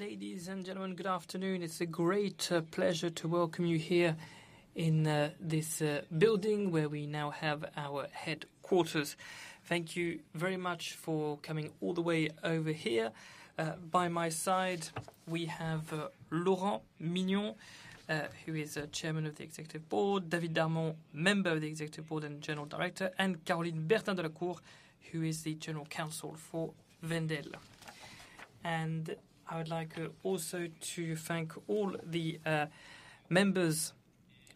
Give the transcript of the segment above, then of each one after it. Ladies and gentlemen, good afternoon. It's a great pleasure to welcome you here in this building where we now have our headquarters. Thank you very much for coming all the way over here. By my side, we have Laurent Mignon, who is the chairman of the executive board. David Darmon, member of the executive board and general director, and Caroline Bertin Delacour, who is the general counsel for Wendel. I would like also to thank all the members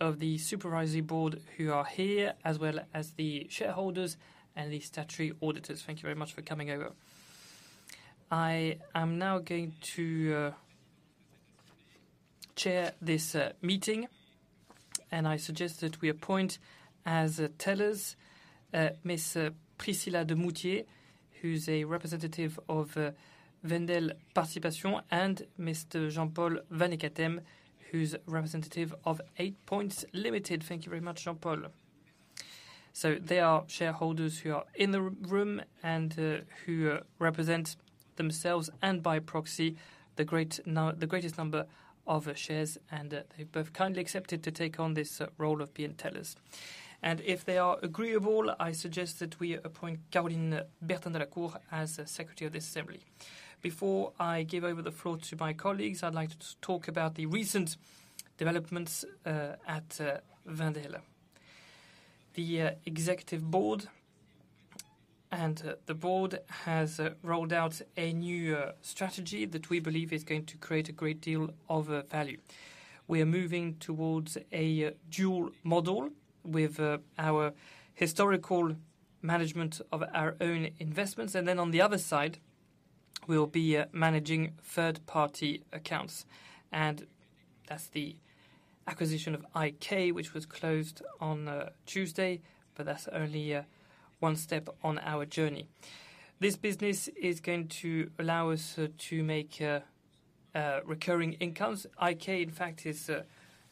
of the supervisory board who are here, as well as the shareholders and the statutory auditors. Thank you very much for coming over. I am now going to chair this meeting, and I suggest that we appoint as tellers Miss Priscilla de Moustier, who's a representative of Wendel-Participations, and Mr. Jean-Paul Vannicatte, who's representative of Eight Points Limited. Thank you very much, Jean-Paul. So they are shareholders who are in the room and who represent themselves and by proxy, the greatest number of shares, and they've both kindly accepted to take on this role of being tellers. And if they are agreeable, I suggest that we appoint Caroline Bertin Delacour as the secretary of this assembly. Before I give over the floor to my colleagues, I'd like to talk about the recent developments at Wendel. The executive board and the board has rolled out a new strategy that we believe is going to create a great deal of value. We are moving towards a dual model with our historical management of our own investments, and then on the other side, we'll be managing third-party accounts. That's the acquisition of IK, which was closed on Tuesday, but that's only one step on our journey. This business is going to allow us to make recurring incomes. IK, in fact, is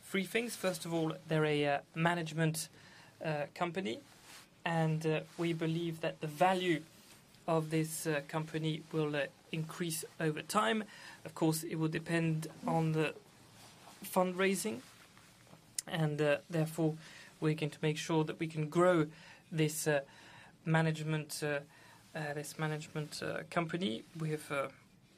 three things. First of all, they're a management company, and we believe that the value of this company will increase over time. Of course, it will depend on the fundraising, and therefore, we're going to make sure that we can grow this management company with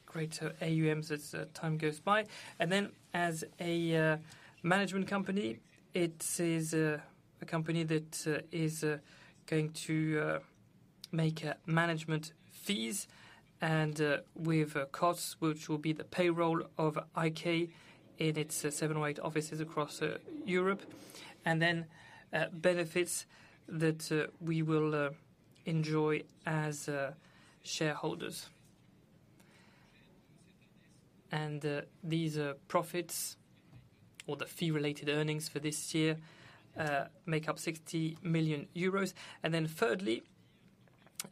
greater AUM as time goes by. And then, as a management company, it is a company that is going to make management fees and with costs, which will be the payroll of IK in its seven or eight offices across Europe, and then benefits that we will enjoy as shareholders. These profits or the fee-related earnings for this year make up 60 million euros. Then thirdly,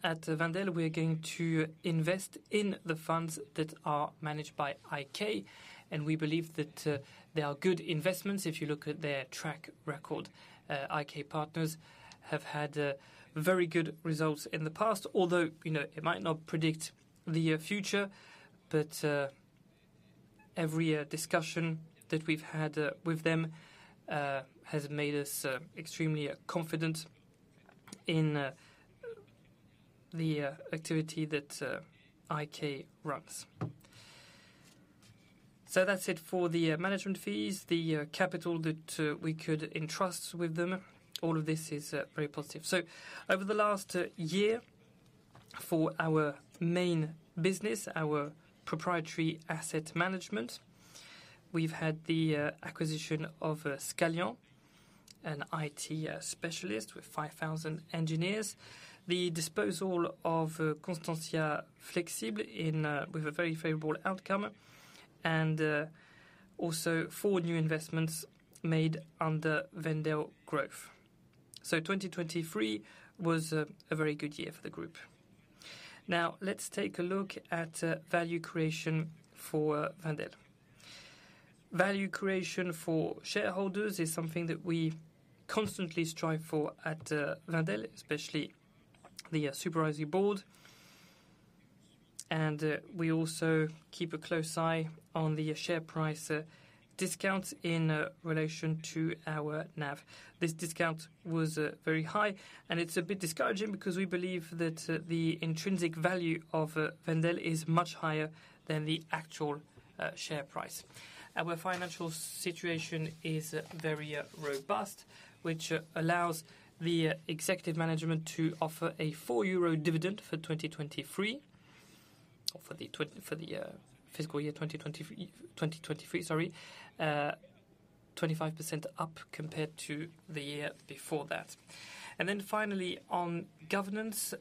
at Wendel, we're going to invest in the funds that are managed by IK, and we believe that they are good investments. If you look at their track record, IK Partners have had very good results in the past, although, you know, it might not predict the future. But every discussion that we've had with them has made us extremely confident in the activity that IK runs. So that's it for the management fees, the capital that we could entrust with them. All of this is very positive. So over the last year, for our main business, our proprietary asset management, we've had the acquisition of Scalian, an IT specialist with 5,000 engineers. The disposal of Constantia Flexibles with a very favorable outcome, and also four new investments made under Wendel Growth. So 2023 was a very good year for the group. Now, let's take a look at value creation for Wendel. Value creation for shareholders is something that we constantly strive for at Wendel, especially the supervisory board. We also keep a close eye on the share price, discounts in relation to our NAV. This discount was very high, and it's a bit discouraging because we believe that the intrinsic value of Wendel is much higher than the actual share price. Our financial situation is very robust, which allows the executive management to offer a 4 euro dividend for 2023, or for the FY 2023, 2023, sorry. 25% up compared to the year before that. And then finally, on governance,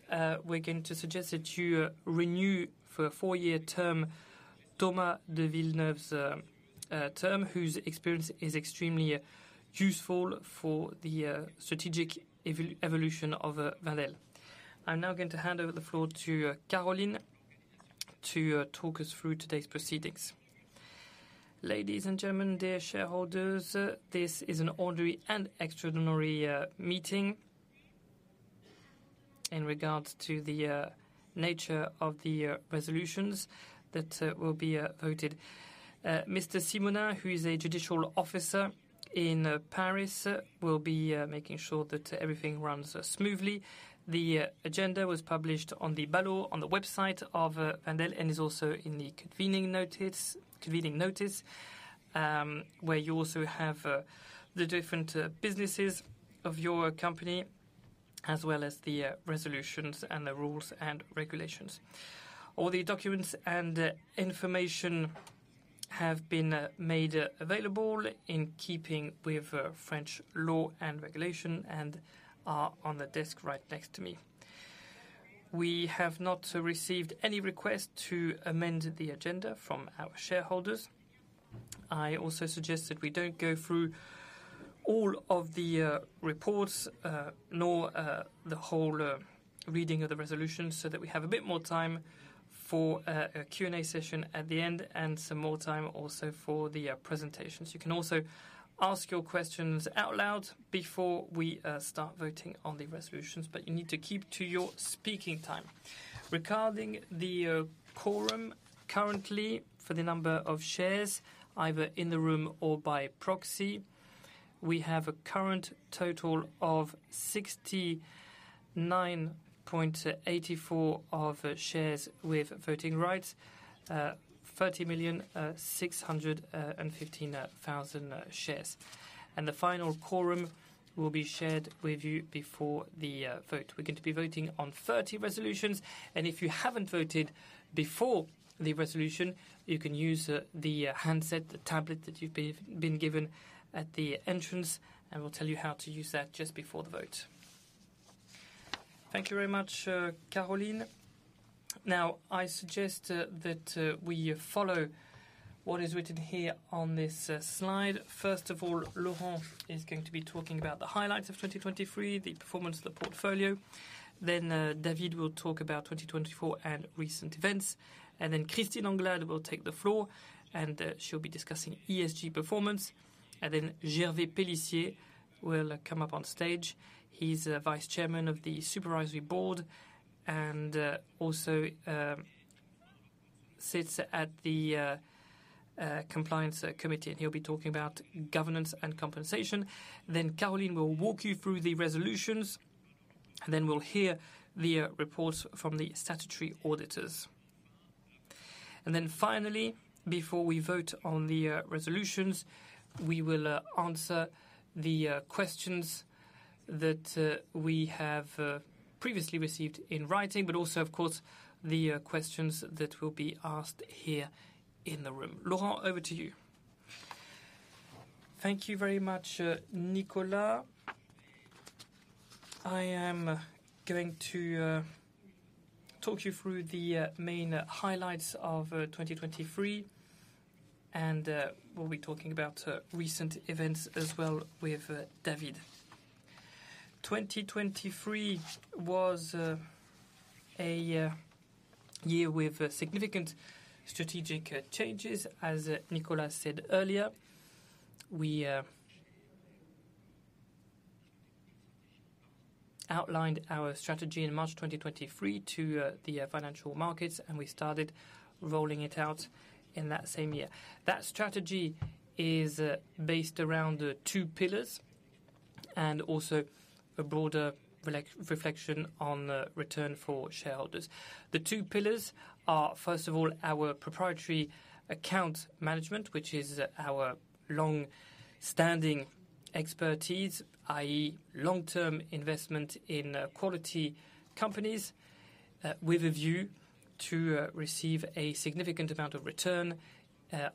we're going to suggest that you renew for a 4-year term Thomas de Villeneuve's term, whose experience is extremely useful for the strategic evolution of Wendel. I'm now going to hand over the floor to Caroline, to talk us through today's proceedings. Ladies and gentlemen, dear shareholders, this is an ordinary and extraordinary meeting in regards to the nature of the resolutions that will be voted. Mr. Simonin, who is a judicial officer in Paris, will be making sure that everything runs smoothly. The agenda was published on the ballot, on the website of Wendel, and is also in the convening notice, where you also have the different businesses of your company, as well as the resolutions and the rules and regulations. All the documents and information have been made available in keeping with French law and regulation, and are on the desk right next to me. We have not received any request to amend the agenda from our shareholders. I also suggest that we don't go through all of the reports, nor the whole reading of the resolution, so that we have a bit more time for a Q&A session at the end, and some more time also for the presentations. You can also ask your questions out loud before we start voting on the resolutions, but you need to keep to your speaking time. Regarding the quorum, currently, for the number of shares, either in the room or by proxy, we have a current total of 69.84% of shares with voting rights, 30,615,000 shares. The final quorum will be shared with you before the vote. We're going to be voting on 30 resolutions, and if you haven't voted before the resolution, you can use the handset, the tablet that you've been given at the entrance, and we'll tell you how to use that just before the vote. Thank you very much, Caroline. Now, I suggest that we follow what is written here on this slide. First of all, Laurent is going to be talking about the highlights of 2023, the performance of the portfolio. Then, David will talk about 2024 and recent events. And then Christine Anglade will take the floor, and she'll be discussing ESG performance. And then Gervais Pellissier will come up on stage. He's a Vice Chairman of the supervisory board and also sits at the compliance committee, and he'll be talking about governance and compensation. Then Caroline will walk you through the resolutions, and then we'll hear the reports from the statutory auditors. And then finally, before we vote on the resolutions, we will answer the questions that we have previously received in writing, but also, of course, the questions that will be asked here in the room. Laurent, over to you. Thank you very much, Nicolas. I am going to talk you through the main highlights of 2023, and we'll be talking about recent events as well with David. 2023 was a year with significant strategic changes. As Nicolas said earlier, we outlined our strategy in March 2023 to the financial markets, and we started rolling it out in that same year. That strategy is based around two pillars, and also a broader reflection on the return for shareholders. The two pillars are, first of all, our proprietary account management, which is our long-standing expertise, i.e., long-term investment in quality companies, with a view to receive a significant amount of return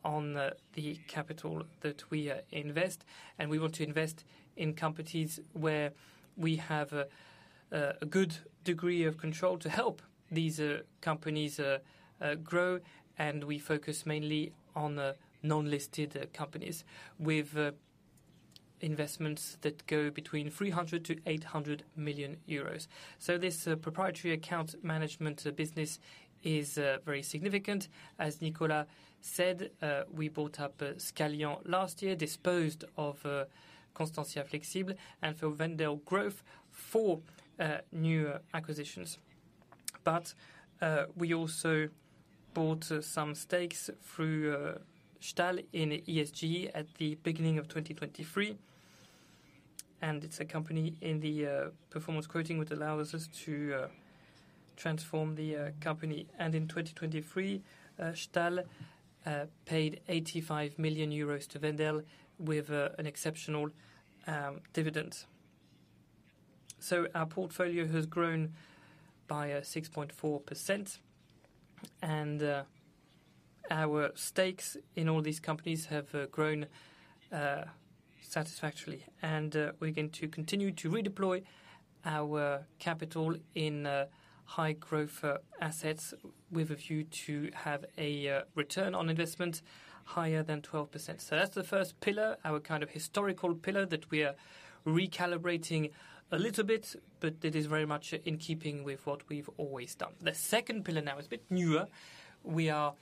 on the capital that we invest. And we want to invest in companies where we have a good degree of control to help these companies grow, and we focus mainly on the non-listed companies, with investments that go between 300 million-800 million euros. So this proprietary account management business is very significant. As Nicolas said, we bought up Scalian last year, disposed of Constantia Flexibles, and for Wendel Growth, four new acquisitions. But, we also bought some stakes through, Stahl in ESG at the beginning of 2023, and it's a company in the, performance grouping, which allows us to, transform the, company. And in 2023, Stahl, paid 85 million euros to Wendel with, an exceptional, dividend. So our portfolio has grown by, 6.4%, and, our stakes in all these companies have, grown, satisfactorily. And, we're going to continue to redeploy our capital in, high-growth, assets, with a view to have a, return on investment higher than 12%. So that's the first pillar, our historical pillar, that we are recalibrating a little bit, but it is very much in keeping with what we've always done. The second pillar now is a bit newer. We are-...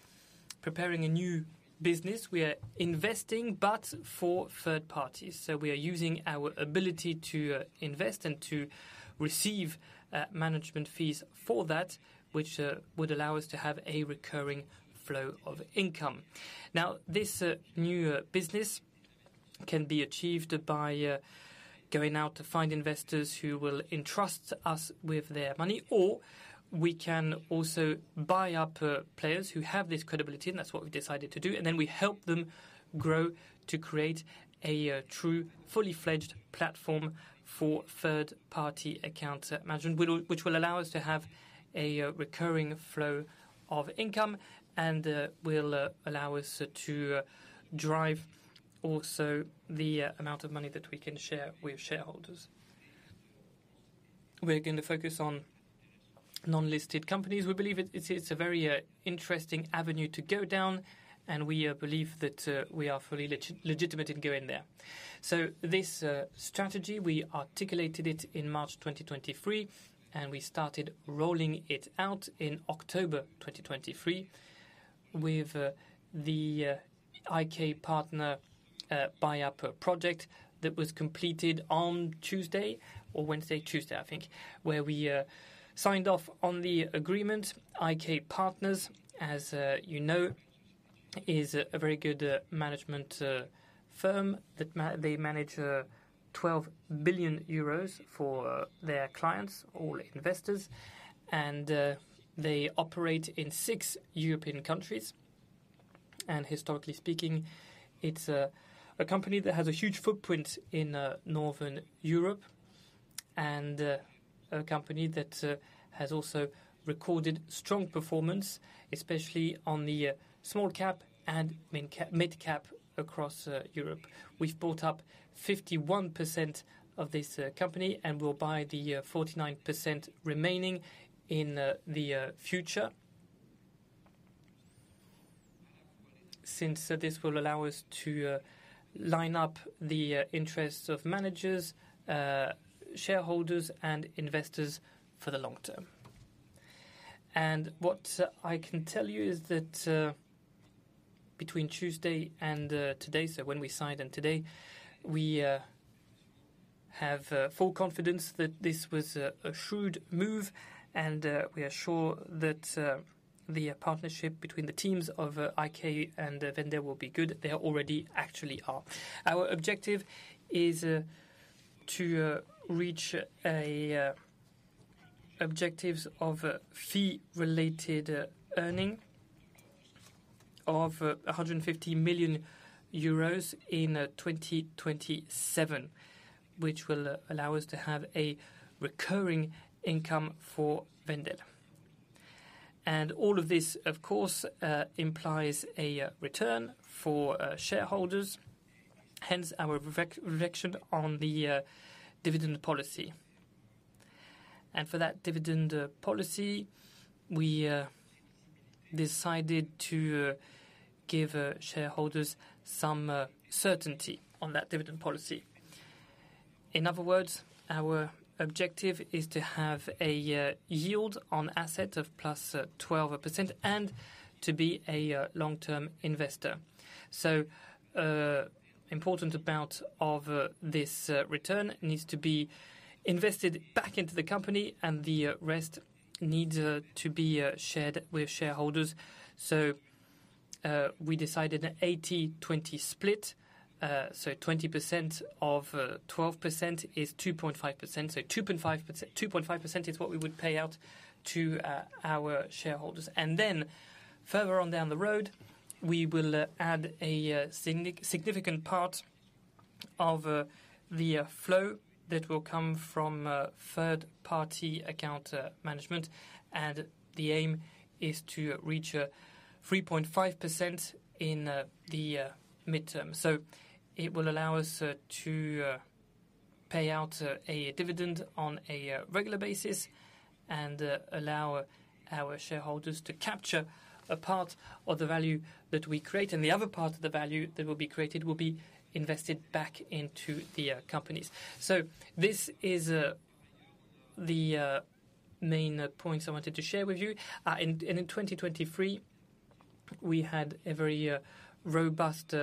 Preparing a new business. We are investing, but for third parties. So we are using our ability to invest and to receive management fees for that, which would allow us to have a recurring flow of income. Now, this new business can be achieved by going out to find investors who will entrust us with their money, or we can also buy up players who have this credibility, and that's what we decided to do, and then we help them grow to create a true, fully-fledged platform for third-party account management, which will, which will allow us to have a recurring flow of income and will allow us to drive also the amount of money that we can share with shareholders. We're going to focus on non-listed companies. We believe it's a very interesting avenue to go down, and we believe that we are fully legitimate in going there. So this strategy, we articulated it in March 2023, and we started rolling it out in October 2023, with the IK Partners buyout project that was completed on Tuesday or Wednesday. Tuesday, I think, where we signed off on the agreement. IK Partners, as you know, is a very good management firm that they manage 12 billion euros for their clients or investors, and they operate in six European countries. And historically speaking, it's a company that has a huge footprint in Northern Europe, and a company that has also recorded strong performance, especially on the small cap and mid-cap across Europe. We've bought up 51% of this company, and we'll buy the 49% remaining in the future. Since this will allow us to line up the interests of managers, shareholders, and investors for the long term. And what I can tell you is that, between Tuesday and today, so when we signed and today, we have full confidence that this was a shrewd move, and we are sure that the partnership between the teams of IK and Wendel will be good. They already actually are. Our objective is to reach objectives of a fee-related earning of EUR 150 million in 2027, which will allow us to have a recurring income for Wendel. All of this, of course, implies a return for shareholders, hence our redirection on the dividend policy. For that dividend policy, we decided to give shareholders some certainty on that dividend policy. In other words, our objective is to have a yield on assets of plus 12% and to be a long-term investor. So, an important part of this return needs to be invested back into the company, and the rest needs to be shared with shareholders. So, we decided an 80-20 split. So, 20% of 12% is 2.5%. So, 2.5%, 2.5% is what we would pay out to our shareholders. Then further on down the road, we will add a significant part of the flow that will come from third-party asset management, and the aim is to reach 3.5% in the mid-term. So it will allow us to pay out a dividend on a regular basis and allow our shareholders to capture a part of the value that we create, and the other part of the value that will be created will be invested back into the companies. So this is the main points I wanted to share with you. And in 2023, we had a very robust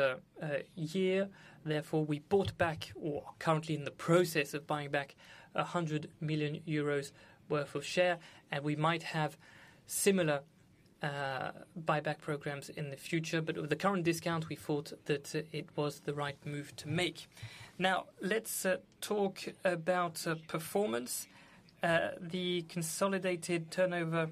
year. Therefore, we bought back or are currently in the process of buying back 100 million euros worth of shares, and we might have similar buyback programs in the future, but with the current discount, we thought that it was the right move to make. Now, let's talk about performance. The consolidated turnover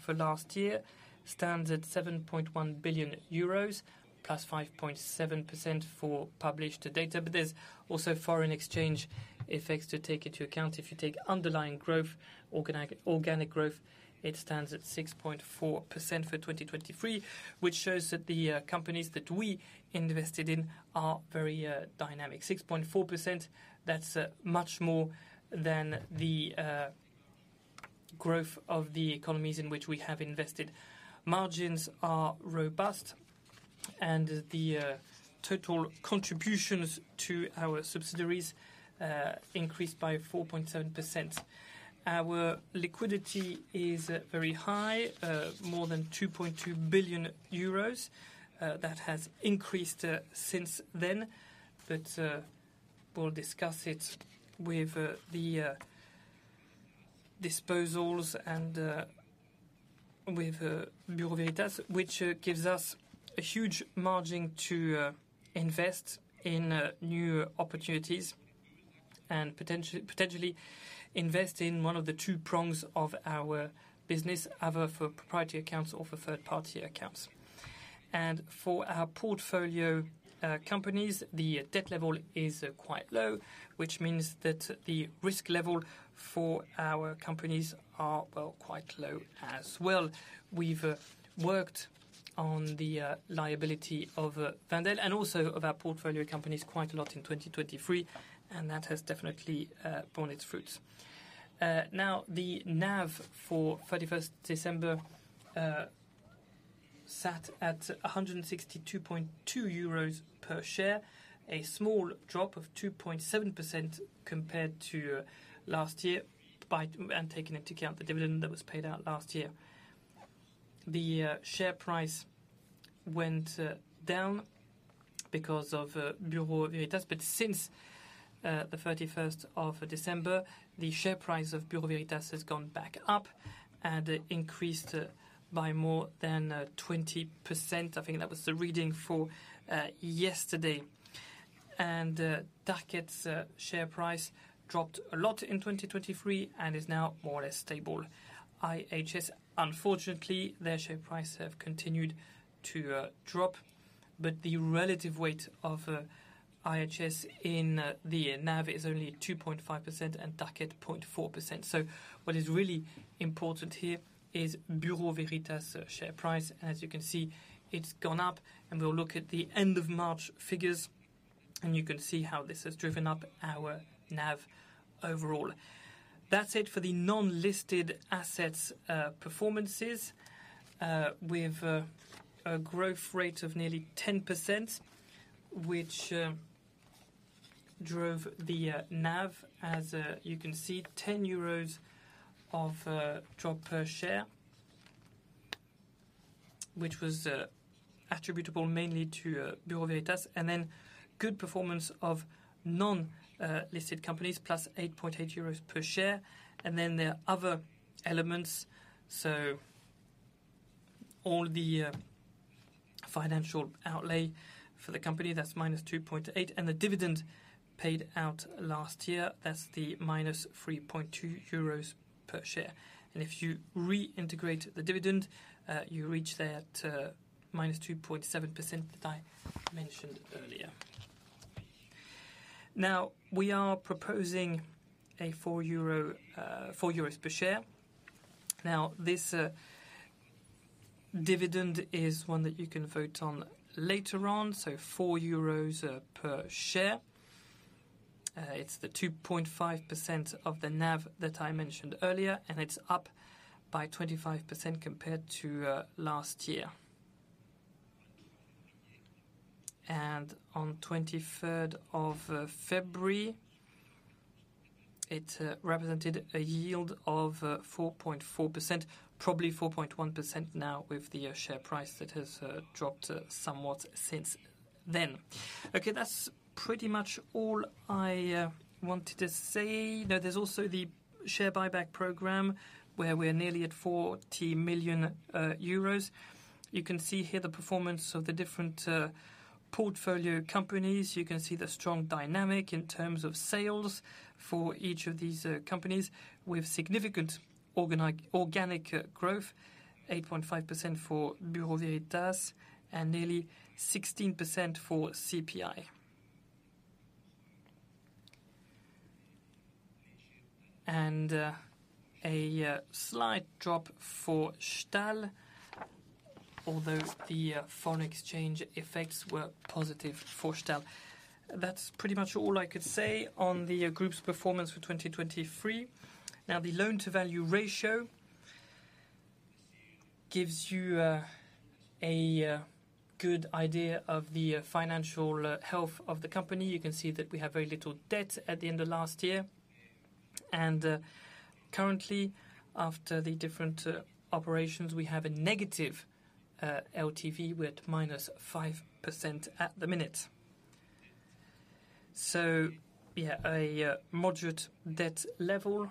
for last year stands at 7.1 billion euros, +5.7% for published data, but there's also foreign exchange effects to take into account. If you take underlying growth, organic, organic growth, it stands at 6.4% for 2023, which shows that the companies that we invested in are very dynamic. 6.4%, that's much more than the growth of the economies in which we have invested. Margins are robust. The total contributions to our subsidiaries increased by 4.7%. Our liquidity is very high, more than 2.2 billion euros. That has increased since then, but we'll discuss it with the disposals and with Bureau Veritas, which gives us a huge margin to invest in new opportunities and potentially invest in one of the two prongs of our business, either for proprietary accounts or for third-party accounts. And for our portfolio companies, the debt level is quite low, which means that the risk level for our companies are, well, quite low as well. We've worked on the liability of Wendel and also of our portfolio companies quite a lot in 2023, and that has definitely borne its fruits. Now, the NAV for 31 December sat at 162.2 euros per share, a small drop of 2.7% compared to last year, and taking into account the dividend that was paid out last year. The share price went down because of Bureau Veritas, but since the 31st of December, the share price of Bureau Veritas has gone back up and increased by more than 20%. I think that was the reading for yesterday. And Tarkett's share price dropped a lot in 2023 and is now more or less stable. IHS, unfortunately, their share price have continued to drop, but the relative weight of IHS in the NAV is only 2.5% and Tarkett 0.4%. So what is really important here is Bureau Veritas' share price. As you can see, it's gone up, and we'll look at the end of March figures, and you can see how this has driven up our NAV overall. That's it for the non-listed assets performances. With a growth rate of nearly 10%, which drove the NAV, as you can see, 10 euros of drop per share, which was attributable mainly to Bureau Veritas, and then good performance of non-listed companies, plus 8.8 euros per share. And then there are other elements. So all the financial outlay for the company, that's -2.8, and the dividend paid out last year, that's the -3.2 euros per share. If you reintegrate the dividend, you reach there to -2.7% that I mentioned earlier. Now, we are proposing 4 euro per share. Now, this dividend is one that you can vote on later on, so 4 euros per share. It's 2.5% of the NAV that I mentioned earlier, and it's up by 25% compared to last year. And on the 23rd of February, it represented a yield of 4.4%, probably 4.1% now with the share price that has dropped somewhat since then. Okay, that's pretty much all I wanted to say. Now, there's also the share buyback program, where we're nearly at 40 million euros. You can see here the performance of the different portfolio companies. You can see the strong dynamic in terms of sales for each of these companies, with significant organic growth, 8.5% for Bureau Veritas and nearly 16% for CPI. And a slight drop for Stahl, although the foreign exchange effects were positive for Stahl. That's pretty much all I could say on the group's performance for 2023. Now, the loan-to-value ratio gives you a good idea of the financial health of the company. You can see that we have very little debt at the end of last year. And currently, after the different operations, we have a negative LTV. We're at -5% at the minute. A moderate debt level.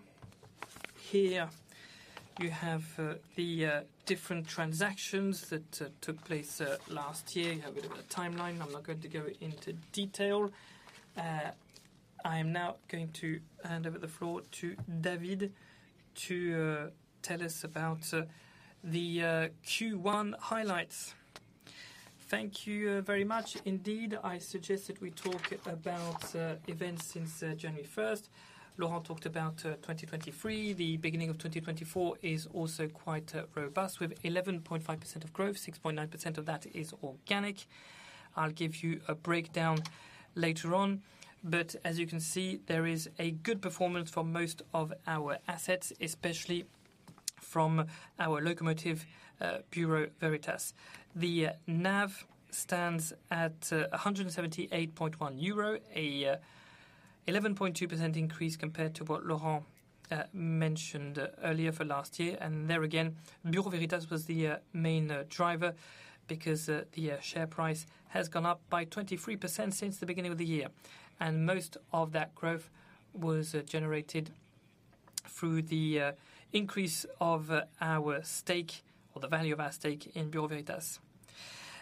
Here, you have the different transactions that took place last year. You have a bit of a timeline. I'm not going to go into detail. I am now going to hand over the floor to David to tell us about the Q1 highlights. Thank you very much. Indeed, I suggest that we talk about events since January first. Laurent talked about 2023. The beginning of 2024 is also quite robust, with 11.5% of growth, 6.9% of that is organic. I'll give you a breakdown later on, but as you can see, there is a good performance for most of our assets, especially from our locomotive, Bureau Veritas. The NAV stands at 178.1 euro, a 11.2% increase compared to what Laurent mentioned earlier for last year. And there again, Bureau Veritas was the main driver because the share price has gone up by 23% since the beginning of the year. And most of that growth was generated through the increase of our stake or the value of our stake in Bureau Veritas.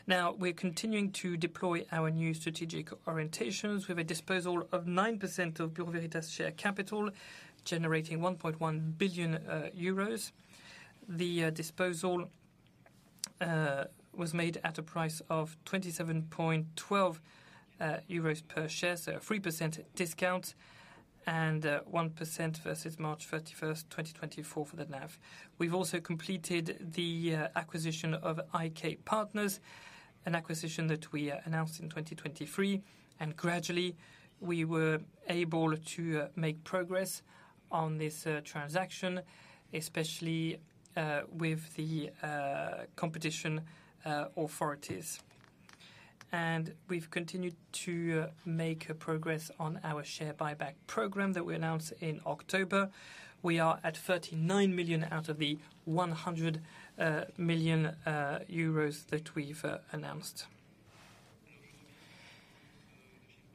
Now, we're continuing to deploy our new strategic orientations with a disposal of 9% of Bureau Veritas share capital, generating 1.1 billion euros. The disposal was made at a price of 27.12 euros per share, so a 3% discount and 1% versus March 31, 2024 for the NAV. We've also completed the acquisition of IK Partners, an acquisition that we announced in 2023, and gradually we were able to make progress on this transaction, especially with the competition authorities. We've continued to make progress on our share buyback program that we announced in October. We are at 39 million out of the 100 million euros that we've announced.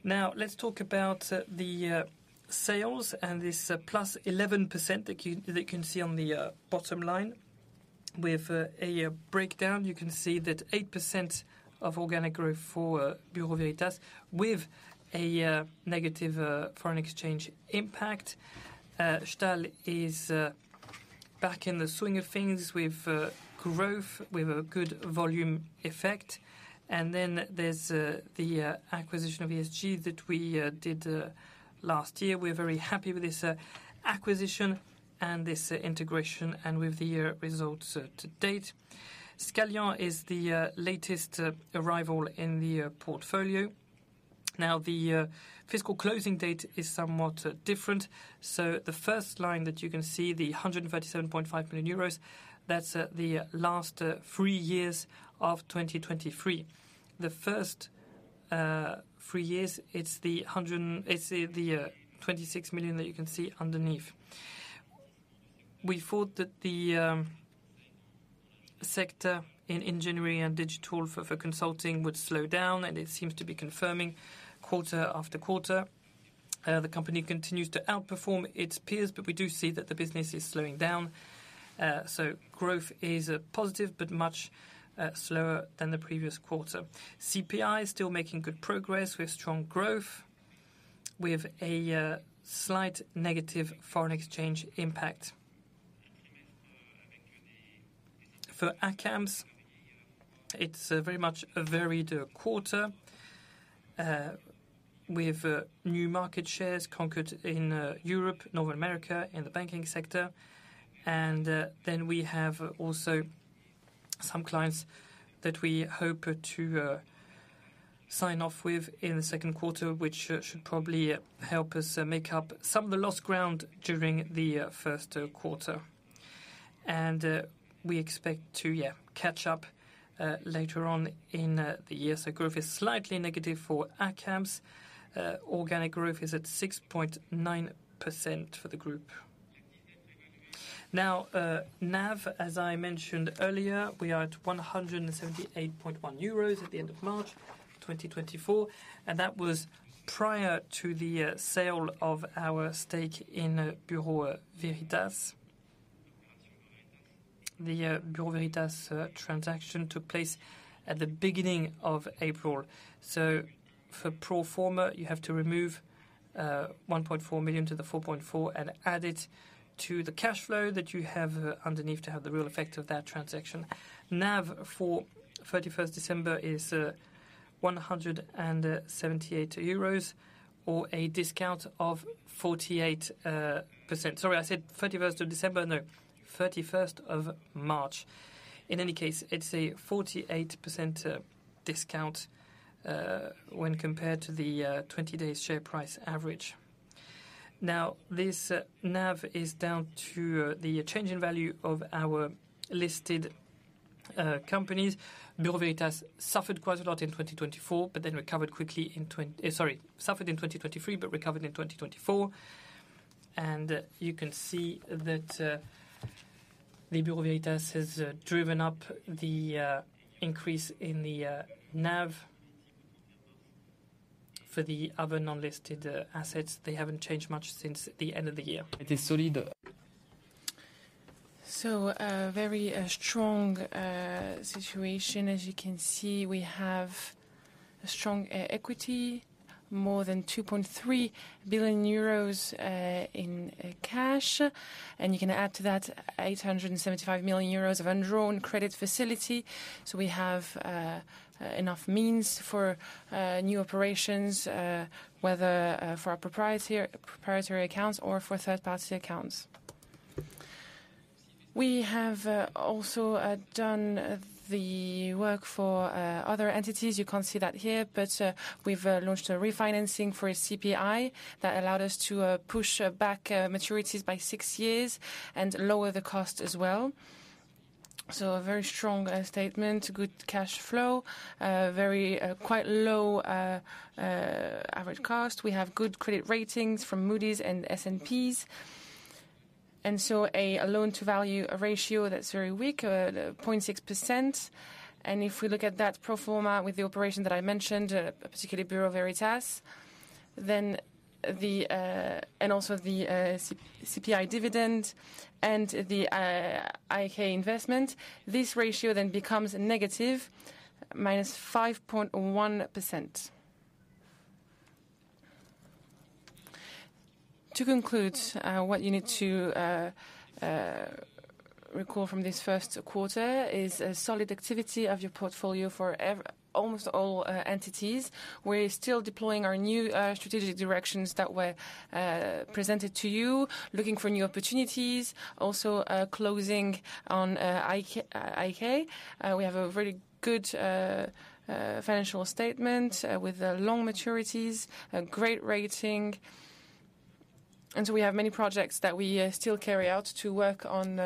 Now, let's talk about the sales and this +11% that you, that you can see on the bottom line. With a breakdown, you can see that 8% of organic growth for Bureau Veritas with a negative foreign exchange impact. Stahl is back in the swing of things with growth, with a good volume effect. And then there's the acquisition of ESG that we did last year. We're very happy with this acquisition and this integration, and with the results to date. Scalian is the latest arrival in the portfolio. Now, the FY closing date is somewhat different. So the first line that you can see, the 137.5 million euros, that's the last three years of 2023. The first three years, it's the 26 million that you can see underneath. We thought that the sector in engineering and digital for consulting would slow down, and it seems to be confirming quarter after quarter. The company continues to outperform its peers, but we do see that the business is slowing down. So growth is positive, but much slower than the previous quarter. CPI is still making good progress with strong growth, with a slight negative foreign exchange impact. For ACAMS, it's very much a varied quarter. With new market shares conquered in Europe, North America, in the banking sector. And then we have also some clients that we hope to sign off with in the Q2, which should probably help us make up some of the lost ground during the Q1. And we expect to catch up later on in the year. So growth is slightly negative for ACAMS. Organic growth is at 6.9% for the group. Now, NAV, as I mentioned earlier, we are at 178.1 euros at the end of March 2024, and that was prior to the sale of our stake in Bureau Veritas. The Bureau Veritas transaction took place at the beginning of April. So for pro forma, you have to remove 1.4 million to the 4.4 and add it to the cash flow that you have underneath to have the real effect of that transaction. NAV for 31st December is 178 euros, or a discount of 48%. Sorry, I said 31st of December. No, 31st of March. In any case, it's a 48% discount when compared to the 20-day share price average. Now, this NAV is down to the change in value of our listed companies. Bureau Veritas suffered quite a lot in 2024, but then recovered quickly in... Sorry, suffered in 2023, but recovered in 2024. And you can see that the Bureau Veritas has driven up the increase in the NAV. For the other non-listed assets, they haven't changed much since the end of the year. It is solid. So, a very strong situation. As you can see, we have a strong equity, more than 2.3 billion euros in cash, and you can add to that 875 million euros of undrawn credit facility. So we have enough means for new operations, whether for our proprietary accounts or for third-party accounts. We have also done the work for other entities. You can't see that here, but we've launched a refinancing for a CPI that allowed us to push back maturities by six years and lower the cost as well. So a very strong statement, good cash flow, very quite low average cost. We have good credit ratings from Moody's and S&P, and so a loan-to-value ratio that's very weak, 0.6%. If we look at that pro forma with the operation that I mentioned, particularly Bureau Veritas, then the... And also the CPI dividend and the IK investment, this ratio then becomes negative, -5.1%. To conclude, what you need to recall from this Q1 is a solid activity of your portfolio for almost all entities. We're still deploying our new strategic directions that were presented to you, looking for new opportunities, also closing on IK, IK. We have a very good financial statement with long maturities, a great rating, and so we have many projects that we still carry out to work on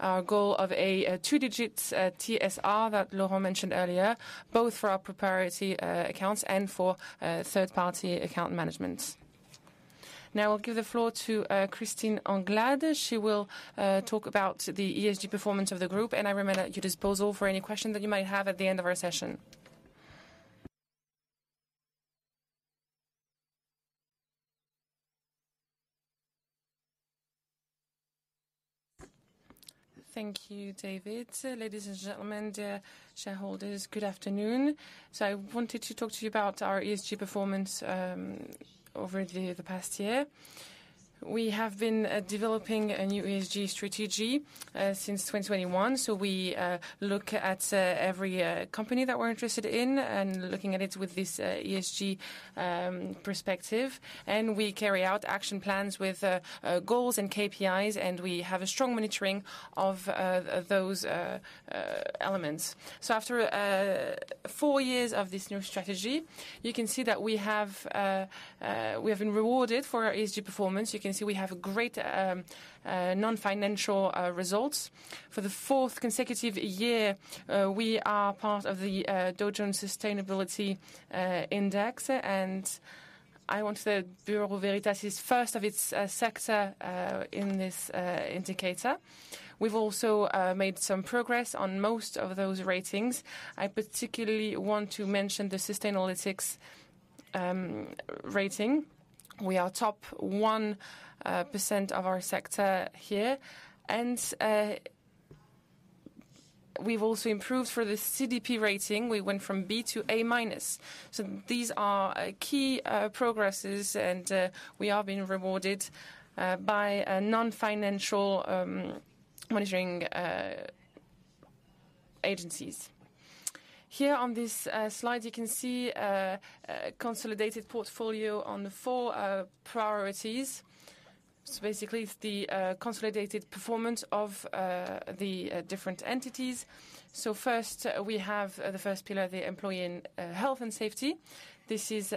our goal of a two-digit TSR that Laurent mentioned earlier, both for our proprietary accounts and for third-party account management. Now I'll give the floor to Christine Anglade. She will talk about the ESG performance of the group, and I remain at your disposal for any question that you might have at the end of our session. Thank you, David. Ladies and gentlemen, dear shareholders, good afternoon. So I wanted to talk to you about our ESG performance over the past year. We have been developing a new ESG strategy since 2021. So we look at every company that we're interested in and looking at it with this ESG perspective, and we carry out action plans with goals and KPIs, and we have a strong monitoring of those elements. So after four years of this new strategy, you can see that we have been rewarded for our ESG performance. You can see we have great non-financial results. For the fourth consecutive year, we are part of the Dow Jones Sustainability Index, and I want to say Bureau Veritas is first of its sector in this indicator. We've also made some progress on most of those ratings. I particularly want to mention the Sustainalytics rating. We are top 1% of our sector here, and we've also improved for the CDP rating. We went from B to A-. So these are key progresses, and we are being rewarded by a non-financial monitoring agencies. Here on this slide, you can see consolidated portfolio on the 4 priorities. So basically, it's the consolidated performance of the different entities. So first, we have the first pillar, the employee and health and safety. This is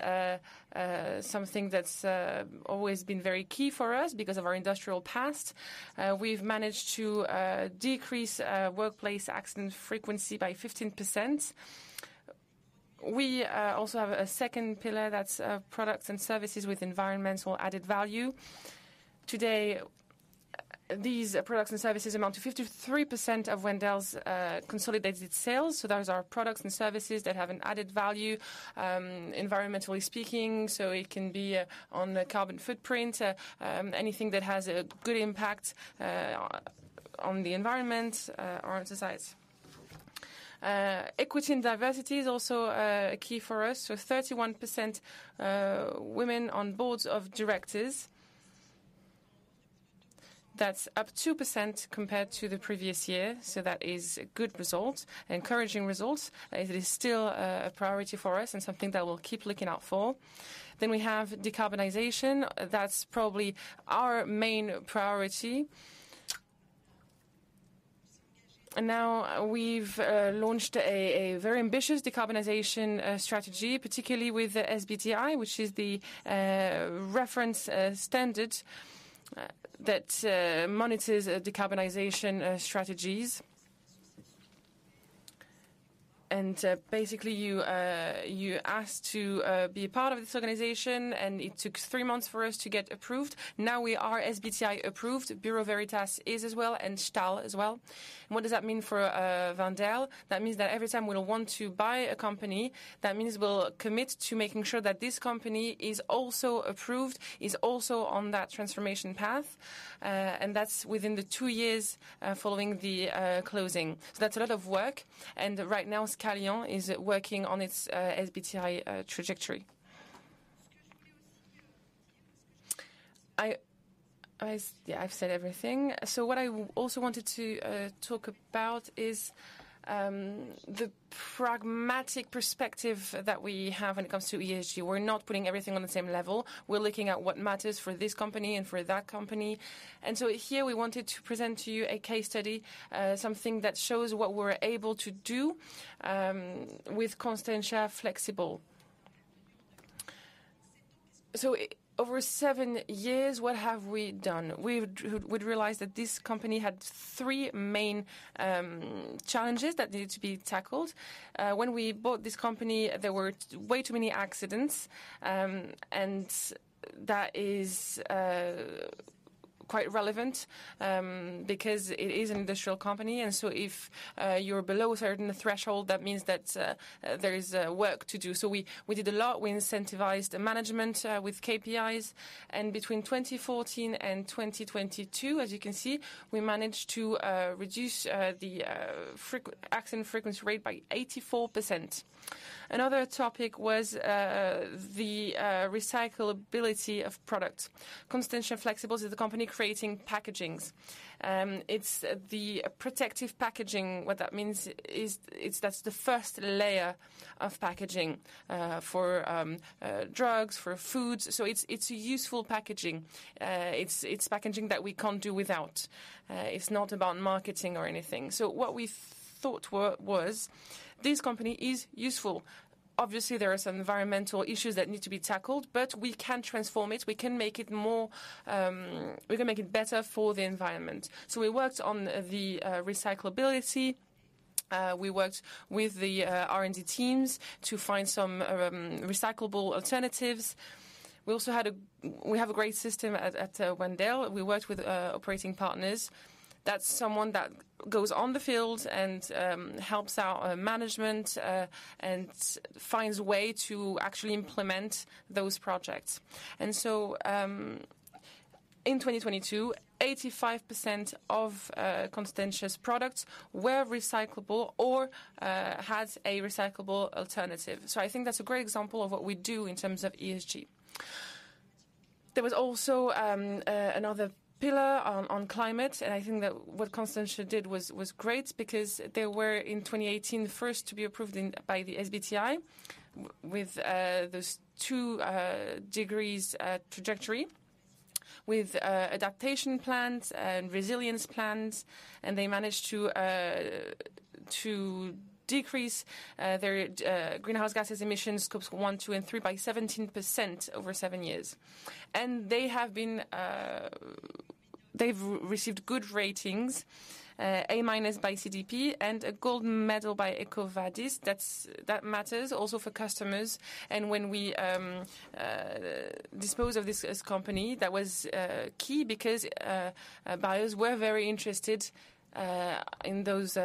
something that's always been very key for us because of our industrial past. We've managed to decrease workplace accident frequency by 15%. We also have a second pillar that's products and services with environmental added value. Today, these products and services amount to 53% of Wendel's consolidated sales, so those are products and services that have an added value, environmentally speaking. So it can be on the carbon footprint, anything that has a good impact on the environment or on society. Equity and diversity is also key for us. So 31% women on boards of directors. That's up 2% compared to the previous year, so that is a good result, encouraging results. It is still a priority for us and something that we'll keep looking out for. Then we have decarbonization. That's probably our main priority. And now we've launched a very ambitious decarbonization strategy, particularly with the SBTi, which is the reference standard that monitors decarbonization strategies. And basically, you ask to be a part of this organization, and it took three months for us to get approved. Now we are SBTi approved. Bureau Veritas is as well, and Stahl as well. What does that mean for Wendel? That means that every time we will want to buy a company, that means we'll commit to making sure that this company is also approved, is also on that transformation path, and that's within the two years following the closing. So that's a lot of work, and right now, Scalian is working on its SBTi trajectory. I've said everything. So what I also wanted to talk about is the pragmatic perspective that we have when it comes to ESG. We're not putting everything on the same level. We're looking at what matters for this company and for that company. And so here we wanted to present to you a case study, something that shows what we're able to do, with Constantia Flexibles. So, over seven years, what have we done? We'd realized that this company had three main challenges that needed to be tackled. When we bought this company, there were way too many accidents, and that is quite relevant, because it is an industrial company, and so if you're below a certain threshold, that means that there is work to do. So we did a lot. We incentivized the management with KPIs, and between 2014 and 2022, as you can see, we managed to reduce the accident frequency rate by 84%. Another topic was the recyclability of product. Constantia Flexibles is a company creating packagings. It's the protective packaging. What that means is, it's, that's the first layer of packaging, for drugs, for foods, so it's, it's a useful packaging. It's, it's packaging that we can't do without. It's not about marketing or anything. So what we thought was, this company is useful. Obviously, there are some environmental issues that need to be tackled, but we can transform it. We can make it more. We can make it better for the environment. So we worked on the recyclability. We worked with the R&D teams to find some recyclable alternatives. We also we have a great system at, at Wendel. We worked with operating partners. That's someone that goes on the field and helps our management and finds a way to actually implement those projects. And so, in 2022, 85% of Constantia's products were recyclable or had a recyclable alternative. So I think that's a great example of what we do in terms of ESG. There was also another pillar on climate, and I think that what Constantia did was great because they were, in 2018, the first to be approved by the SBTi with those two degrees trajectory, with adaptation plans and resilience plans, and they managed to decrease their greenhouse gases emissions, Scope 1, 2, and 3, by 17% over seven years. And they have been, they've received good ratings, A- minus by CDP and a gold medal by EcoVadis. That's, that matters also for customers. And when we dispose of this, this company, that was key because buyers were very interested in those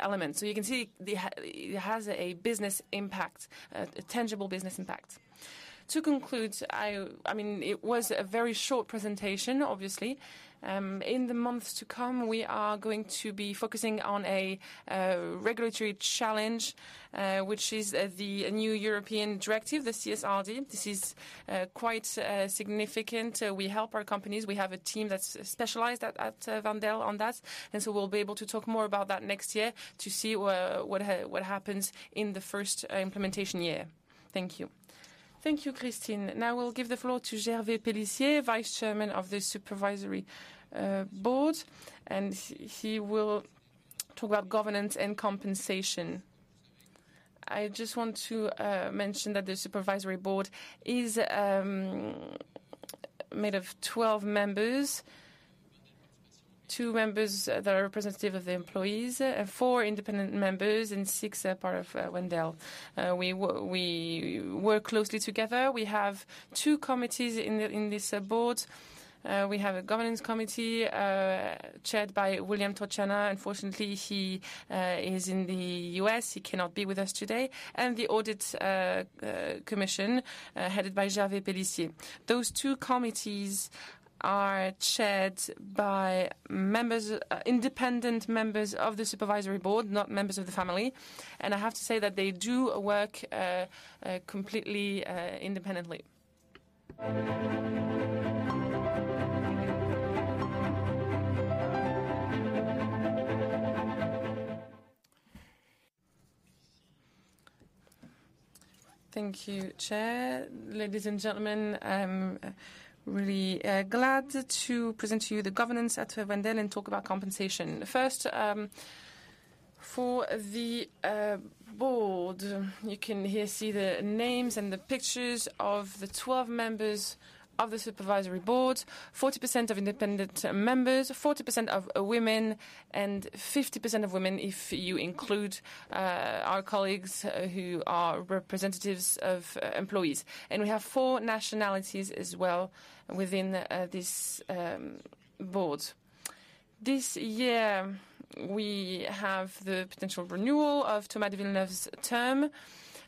elements. So you can see it has a business impact, a tangible business impact. To conclude, I mean, it was a very short presentation, obviously. In the months to come, we are going to be focusing on a regulatory challenge, which is the new European directive, the CSRD. This is quite significant. We help our companies. We have a team that's specialized at Wendel on that, and so we'll be able to talk more about that next year to see what happens in the first implementation year. Thank you. Thank you, Christine. Now we'll give the floor to Gervais Pellissier, Vice Chairman of the Supervisory Board, and he will talk about governance and compensation. I just want to mention that the Supervisory Board is made of 12 members. Two members that are representative of the employees, and four independent members, and six are part of Wendel. We work closely together. We have two committees in this board. We have a governance committee chaired by William Torchiana. Unfortunately, he is in the U.S. He cannot be with us today. And the audit commission headed by Gervais Pellissier. Those two committees are chaired by independent members of the supervisory board, not members of the family, and I have to say that they do work completely independently. Thank you, Chair. Ladies and gentlemen, I'm really glad to present to you the governance at Wendel and talk about compensation. First, for the board. You can here see the names and the pictures of the 12 members of the supervisory board. 40% of independent members, 40% of women, and 50% of women if you include our colleagues who are representatives of employees. And we have four nationalities as well within this board. This year, we have the potential renewal of Thomas de Villeneuve's term,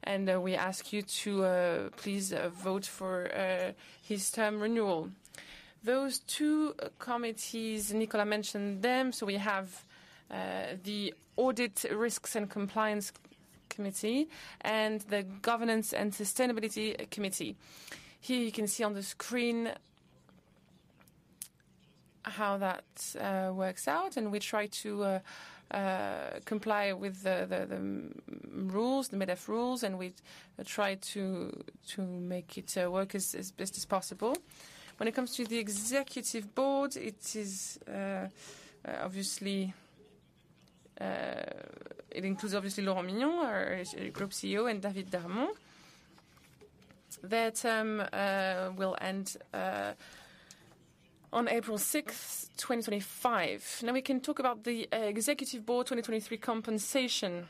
and we ask you to please vote for his term renewal. Those two committees, Nicolas mentioned them, so we have the Audit, Risks and Compliance Committee and the Governance and Sustainability Committee. Here you can see on the screen how that works out, and we try to comply with the rules, the MEDEF rules, and we try to make it work as best as possible. When it comes to the executive board, it is obviously it includes obviously Laurent Mignon, our Group CEO, and David Darmon. Their term will end on April sixth, 2025. Now, we can talk about the executive board 2023 compensation.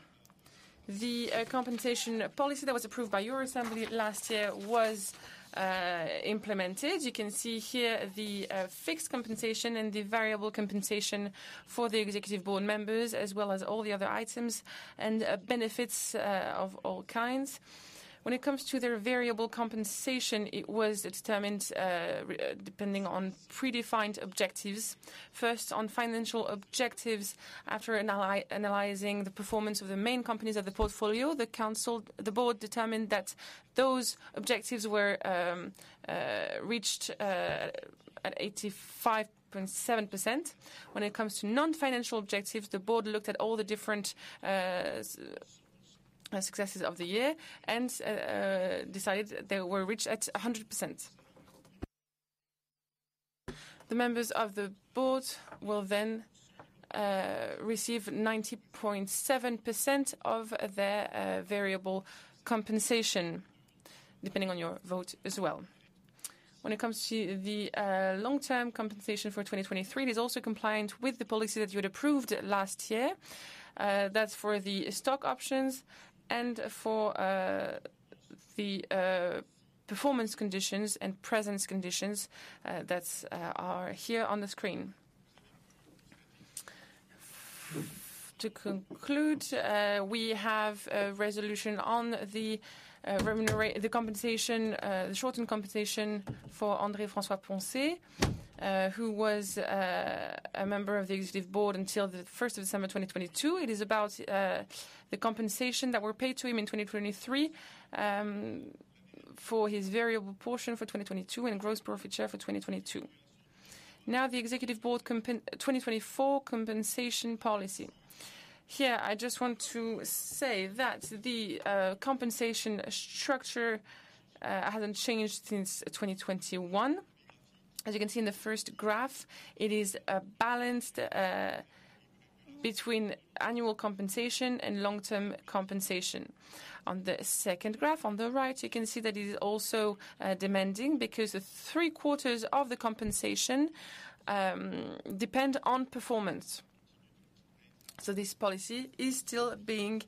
The compensation policy that was approved by your assembly last year was implemented. You can see here the fixed compensation and the variable compensation for the executive board members, as well as all the other items and benefits of all kinds. When it comes to their variable compensation, it was determined depending on predefined objectives. First, on financial objectives, after analyzing the performance of the main companies of the portfolio, the board determined that those objectives were reached at 85.7%. When it comes to non-financial objectives, the board looked at all the different successes of the year and decided they were reached at 100%. The members of the board will then receive 90.7% of their variable compensation, depending on your vote as well. When it comes to the long-term compensation for 2023, it is also compliant with the policy that you had approved last year. That's for the stock options and for the performance conditions and presence conditions that are here on the screen. To conclude, we have a resolution on the compensation, the shortened compensation for André François-Poncet, who was a member of the executive board until the first of December 2022. It is about the compensation that were paid to him in 2023 for his variable portion for 2022 and gross profit share for 2022. Now, the executive board 2024 compensation policy. Here, I just want to say that the compensation structure hasn't changed since 2021. As you can see in the first graph, it is balanced between annual compensation and long-term compensation. On the second graph on the right, you can see that it is also demanding because three-quarters of the compensation depend on performance. So this policy is still being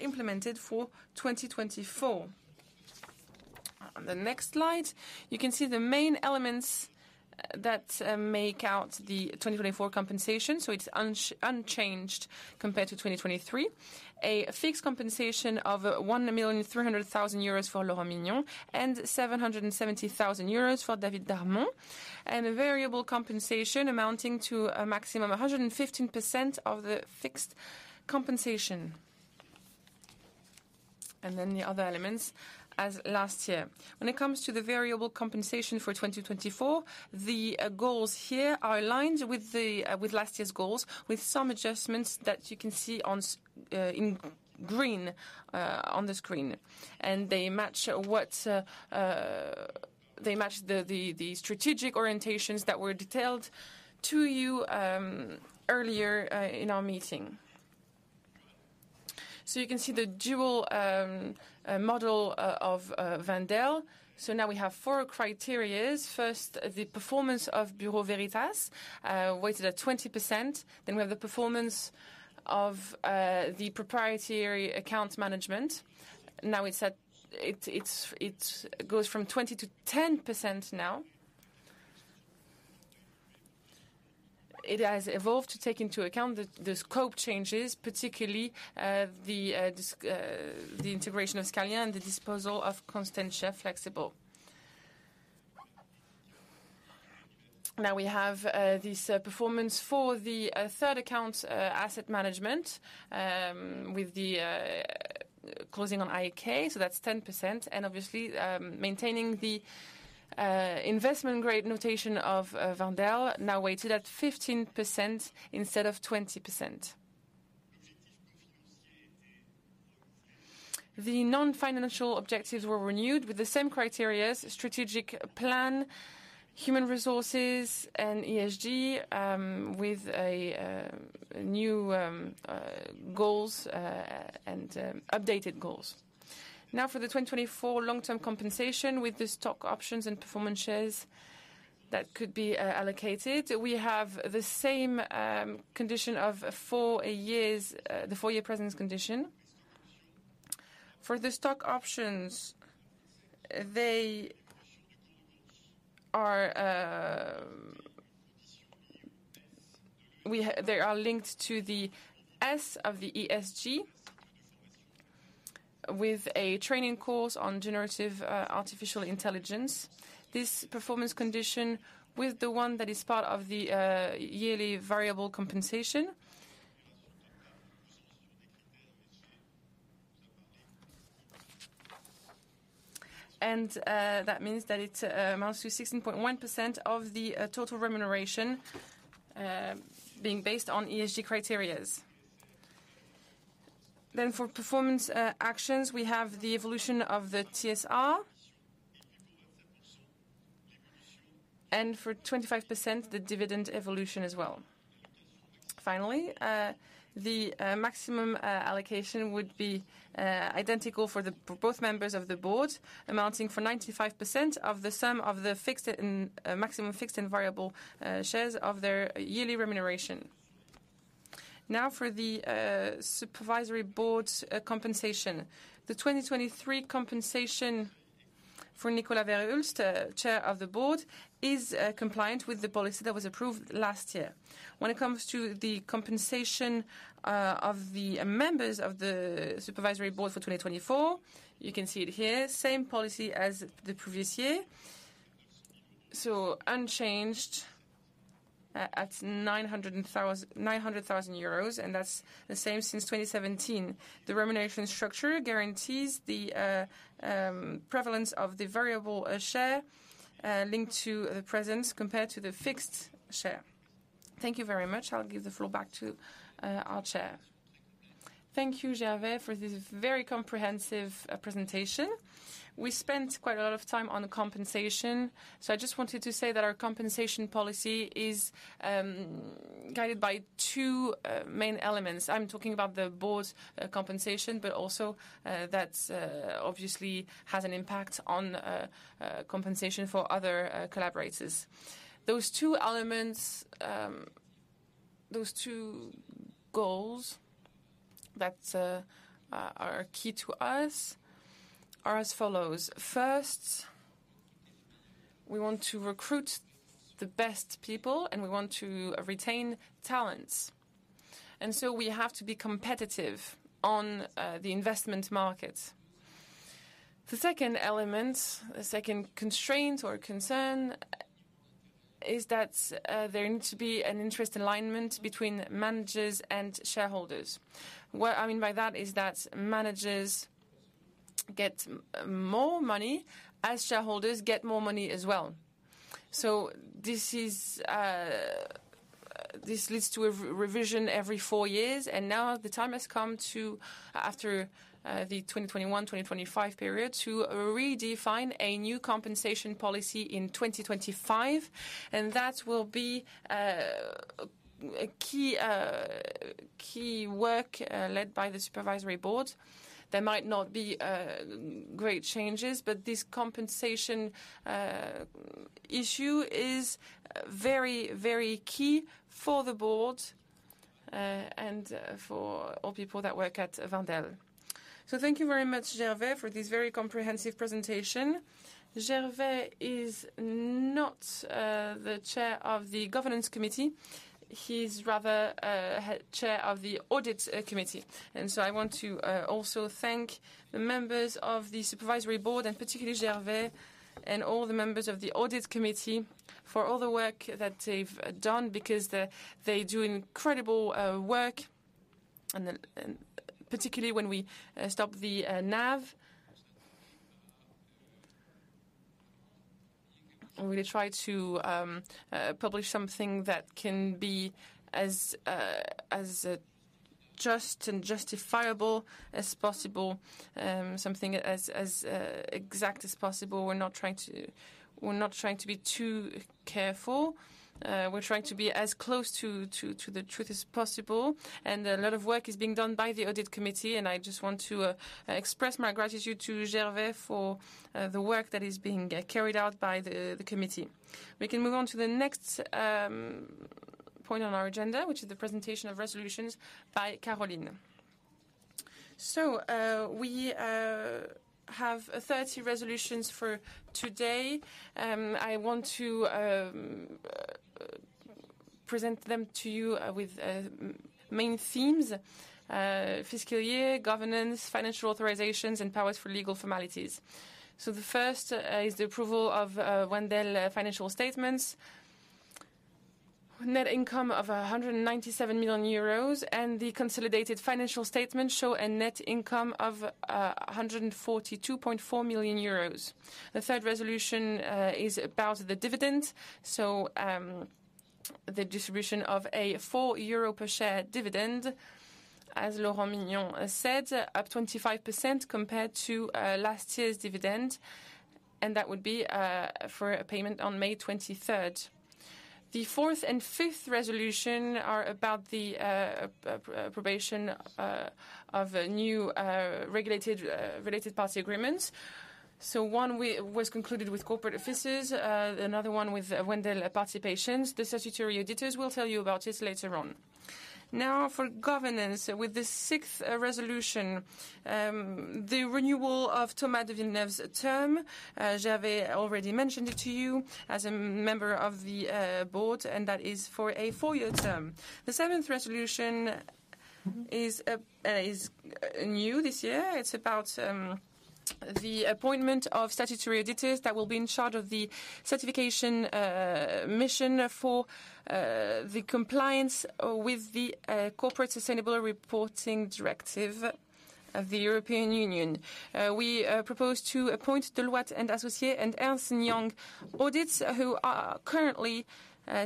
implemented for 2024. On the next slide, you can see the main elements that make out the 2024 compensation, so it's unchanged compared to 2023. A fixed compensation of 1,300,000 euros for Laurent Mignon and 770,000 euros for David Darmon, and a variable compensation amounting to a maximum 115% of the fixed compensation. And then the other elements, as last year. When it comes to the variable compensation for 2024, the goals here are aligned with the with last year's goals, with some adjustments that you can see on in green on the screen. And they match what They match the the the strategic orientations that were detailed to you earlier in our meeting. So you can see the dual model of Wendel. So now we have four criteria. First, the performance of Bureau Veritas weighted at 20%. Then we have the performance of the proprietary asset management. Now, it goes from 20%-10% now. It has evolved to take into account the the scope changes, particularly the the integration of Scalian and the disposal of Constantia Flexibles. Now, we have this performance for the third account asset management with the closing on IK, so that's 10%. And obviously, maintaining the investment grade notation of Wendel, now weighted at 15% instead of 20%. The non-financial objectives were renewed with the same criteria: strategic plan, human resources, and ESG, with a new goals and updated goals. Now, for the 2024 long-term compensation with the stock options and performance shares that could be allocated, we have the same condition of four years, the four-year presence condition. For the stock options, they are linked to the S of the ESG, with a training course on generative artificial intelligence. This performance condition with the one that is part of the yearly variable compensation. That means that it amounts to 16.1% of the total remuneration being based on ESG criteria. Then for performance actions, we have the evolution of the TSR... and for 25%, the dividend evolution as well. Finally, the maximum allocation would be identical for both members of the board, amounting for 95% of the sum of the fixed and maximum fixed and variable shares of their yearly remuneration. Now, for the Supervisory Board's compensation. The 2023 compensation for Nicolas ver Hulst, Chair of the Board, is compliant with the policy that was approved last year. When it comes to the compensation of the members of the supervisory board for 2024, you can see it here, same policy as the previous year, so unchanged at 900,000, and that's the same since 2017. The remuneration structure guarantees the prevalence of the variable share linked to the presence compared to the fixed share. Thank you very much. I'll give the floor back to our chair. Thank you, Gervais, for this very comprehensive presentation. We spent quite a lot of time on compensation, so I just wanted to say that our compensation policy is guided by two main elements. I'm talking about the board's compensation, but also that obviously has an impact on compensation for other collaborators. Those two elements, those two goals that are key to us are as follows: First, we want to recruit the best people, and we want to retain talents, and so we have to be competitive on the investment market. The second element, the second constraint or concern, is that there needs to be an interest alignment between managers and shareholders. What I mean by that is that managers get more money as shareholders get more money as well. So this leads to a revision every four years, and now the time has come to, after the 2021-2025 period, to redefine a new compensation policy in 2025, and that will be a key work led by the supervisory board. There might not be great changes, but this compensation issue is very, very key for the board, and for all people that work at Wendel. So thank you very much, Gervais, for this very comprehensive presentation. Gervais is not the chair of the governance committee. He's rather chair of the audit committee, and so I want to also thank the members of the supervisory board, and particularly Gervais and all the members of the audit committee, for all the work that they've done, because they do incredible work, and then, and particularly when we stop the NAV. We try to publish something that can be as just and justifiable as possible, something as exact as possible. We're not trying to... We're not trying to be too careful. We're trying to be as close to the truth as possible, and a lot of work is being done by the audit committee, and I just want to express my gratitude to Gervais for the work that is being carried out by the committee. We can move on to the next point on our agenda, which is the presentation of resolutions by Caroline. So, we have 30 resolutions for today. I want to present them to you with main themes: FY, governance, financial authorizations, and powers for legal formalities. So the first is the approval of Wendel financial statements. Net income of 197 million euros, and the consolidated financial statements show a net income of 142.4 million euros. The third resolution is about the dividends, so the distribution of a 4 euro per share dividend, as Laurent Mignon said, up 25% compared to last year's dividend, and that would be for a payment on May twenty-third. The fourth and fifth resolutions are about the approval of a new regulated related party agreements. So one was concluded with corporate offices, another one with Wendel Participations. The statutory auditors will tell you about it later on. Now, for governance, with the sixth resolution, the renewal of Thomas de Villeneuve's term, Gervais already mentioned it to you as a member of the board, and that is for a four-year term. The seventh resolution is new this year. It's about the appointment of statutory auditors that will be in charge of the certification mission for the compliance with the Corporate Sustainability Reporting Directive of the European Union. We propose to appoint Deloitte and Associates and Ernst & Young Audit, who are currently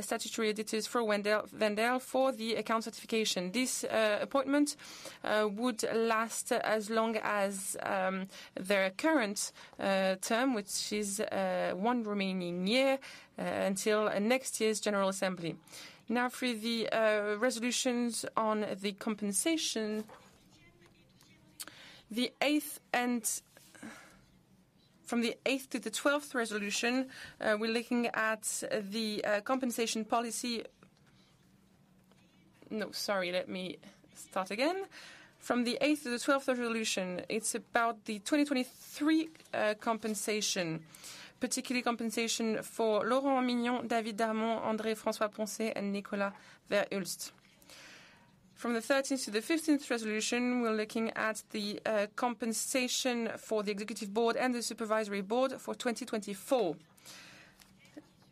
statutory auditors for Wendel, Wendel for the account certification. This appointment would last as long as their current term, which is one remaining year, until next year's general assembly. Now for the resolutions on the compensation. The eighth and— From the 8th to the 12th resolution, we're looking at the compensation policy. No, sorry, let me start again. From the 8th to the 12th resolution, it's about the 2023 compensation, particularly compensation for Laurent Mignon, David Darmon, André François-Poncet, and Nicolas ver Hulst. From the 13th to the 15th resolution, we're looking at the compensation for the executive board and the supervisory board for 2024.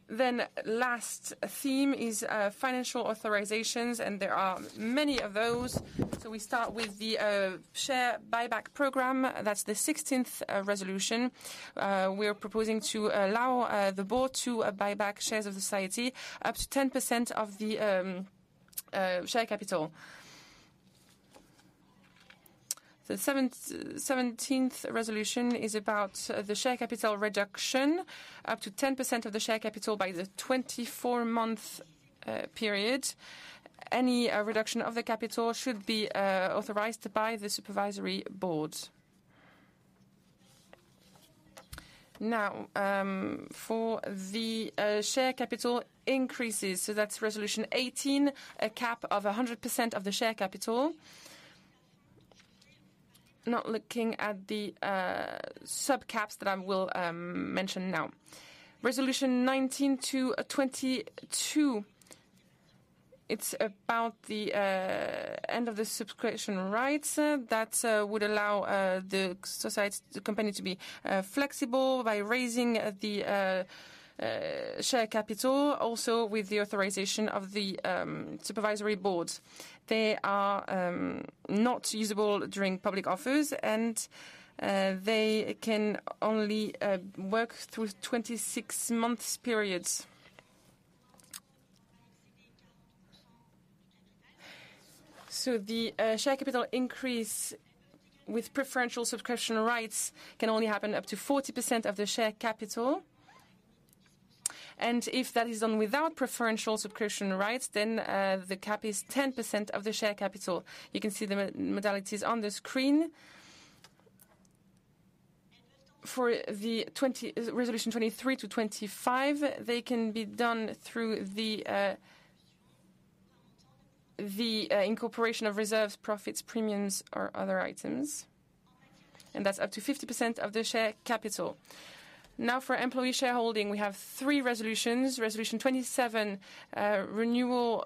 Then last theme is financial authorizations, and there are many of those. So we start with the share buyback program. That's the 16th resolution. We are proposing to allow the board to buy back shares of the society up to 10% of the share capital. The 17th resolution is about the share capital reduction, up to 10% of the share capital by the 24-month period. Any reduction of the capital should be authorized by the supervisory board. Now, for the share capital increases, so that's resolution 18, a cap of 100% of the share capital. Not looking at the sub-caps that I will mention now. Resolution 19 to 22, it's about the end of the subscription rights. That would allow the society, the company to be flexible by raising the share capital, also with the authorization of the supervisory board. They are not usable during public offers and they can only work through 26 months periods. So the share capital increase with preferential subscription rights can only happen up to 40% of the share capital, and if that is done without preferential subscription rights, then the cap is 10% of the share capital. You can see the modalities on the screen. For the twenty, resolution 23 to 25, they can be done through the incorporation of reserves, profits, premiums, or other items, and that's up to 50% of the share capital. Now, for employee shareholding, we have three resolutions. Resolution 27, renewal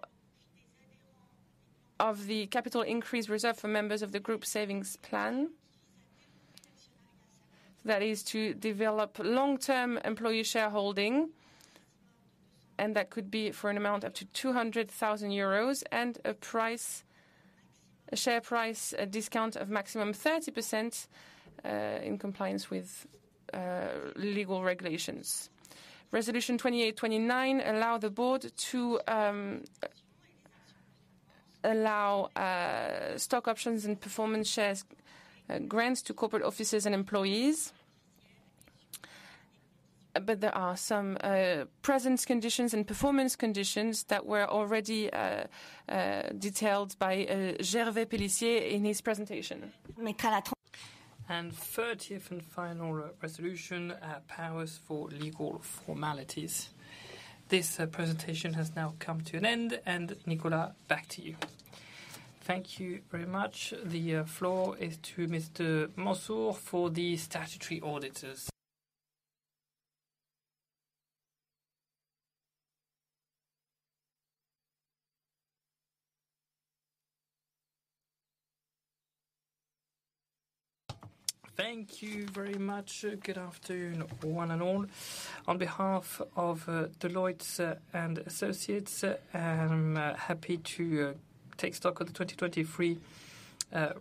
of the capital increase reserve for members of the group savings plan. That is to develop long-term employee shareholding, and that could be for an amount up to 200,000 euros and a price, a share price, a discount of maximum 30%, in compliance with legal regulations. Resolution 28, 29 allow the board to allow stock options and performance shares grants to corporate officers and employees. But there are some presence conditions and performance conditions that were already detailed by Gervais Pellissier in his presentation. 30th and final resolution, powers for legal formalities. This presentation has now come to an end, and Nicolas, back to you. Thank you very much. The floor is to Mr. Mussomelli for the statutory auditors. Thank you very much. Good afternoon, one and all. On behalf of Deloitte and Associates, I'm happy to take stock of the 2023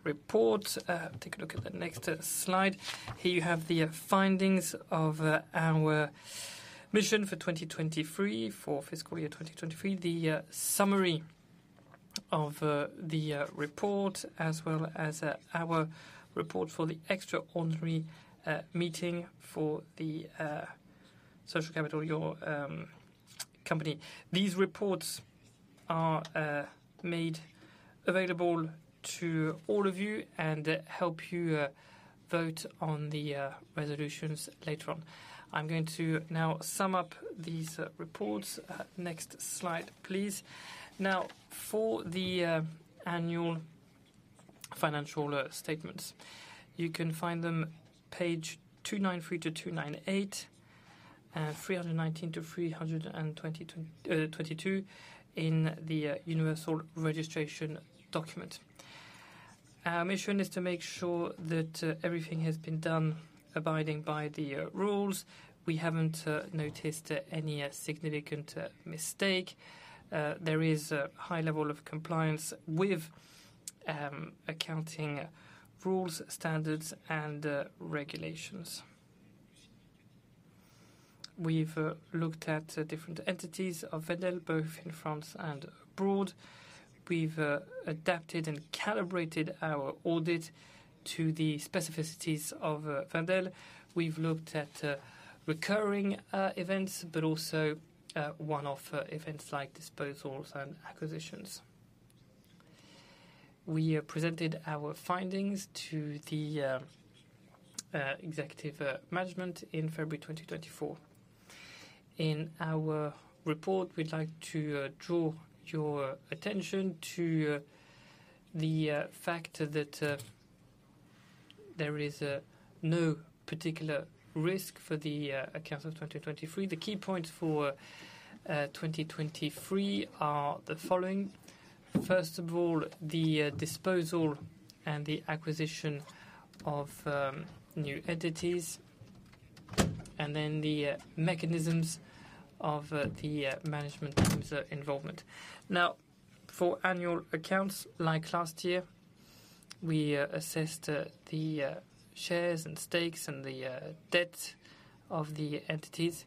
report. Take a look at the next slide. Here you have the findings of our mission for 2023, for FY 2023. The summary of the report, as well as our report for the extraordinary meeting for the Social Capital, your company. These reports are made available to all of you and help you vote on the resolutions later on. I'm going to now sum up these reports. Next slide, please. Now, for the annual financial statements, you can find them page 293 to 298, 319 to 322 in the universal registration document. Our mission is to make sure that everything has been done abiding by the rules. We haven't noticed any significant mistake. There is a high level of compliance with accounting rules, standards, and regulations.... We've looked at different entities of Wendel, both in France and abroad. We've adapted and calibrated our audit to the specificities of Wendel. We've looked at recurring events, but also one-off events like disposals and acquisitions. We presented our findings to the executive management in February 2024. In our report, we'd like to draw your attention to the fact that there is no particular risk for the accounts of 2023. The key points for 2023 are the following: First of all, the disposal and the acquisition of new entities, and then the mechanisms of the management team's involvement. Now, for annual accounts, like last year, we assessed the shares and stakes and the debt of the entities.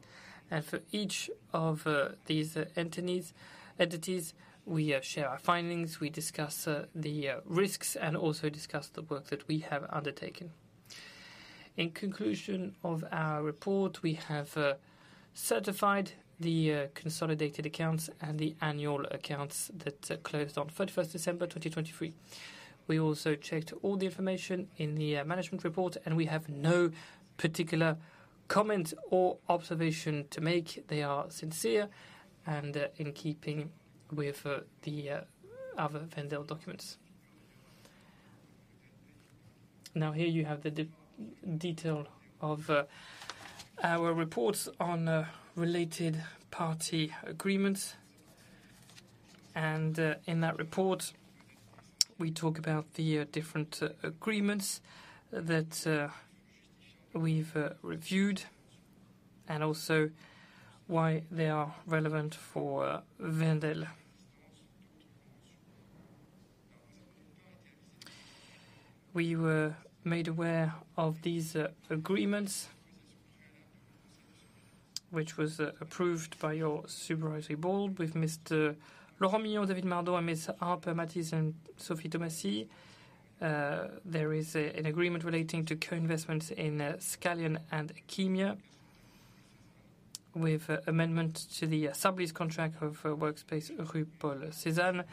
And for each of these entities, we share our findings, we discuss the risks, and also discuss the work that we have undertaken. In conclusion of our report, we have certified the consolidated accounts and the annual accounts that closed on 31 December 2023. We also checked all the information in the management report, and we have no particular comment or observation to make. They are sincere and in keeping with the other Wendel documents. Now, here you have the detail of our reports on related party agreements. And, in that report, we talk about the different agreements that we've reviewed and also why they are relevant for Wendel. We were made aware of these agreements, which was approved by your supervisory board with Mr. Laurent Mignon, David Darmon, and Ms. Harper Mates, and Sophie Tomasi. There is an agreement relating to co-investments in Scalian and Kimia, with amendment to the sublease contract of Workspace Rue Paul Cézanne.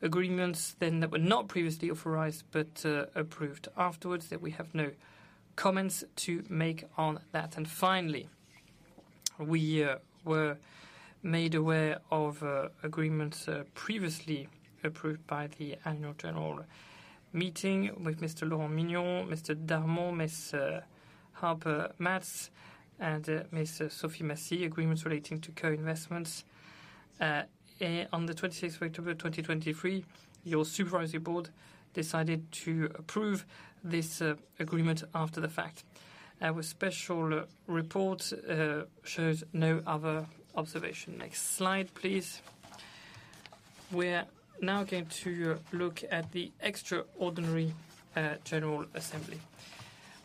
Agreements then that were not previously authorized, but approved afterwards, that we have no comments to make on that. And finally, we were made aware of agreements previously approved by the annual general meeting with Mr. Laurent Mignon, Mr. Darmon, Ms. Harper Mates, and Ms. Sophie Tomasi, agreements relating to co-investments. On the twenty-sixth of October, 2023, your supervisory board decided to approve this agreement after the fact. Our special report shows no other observation. Next slide, please. We're now going to look at the extraordinary general assembly.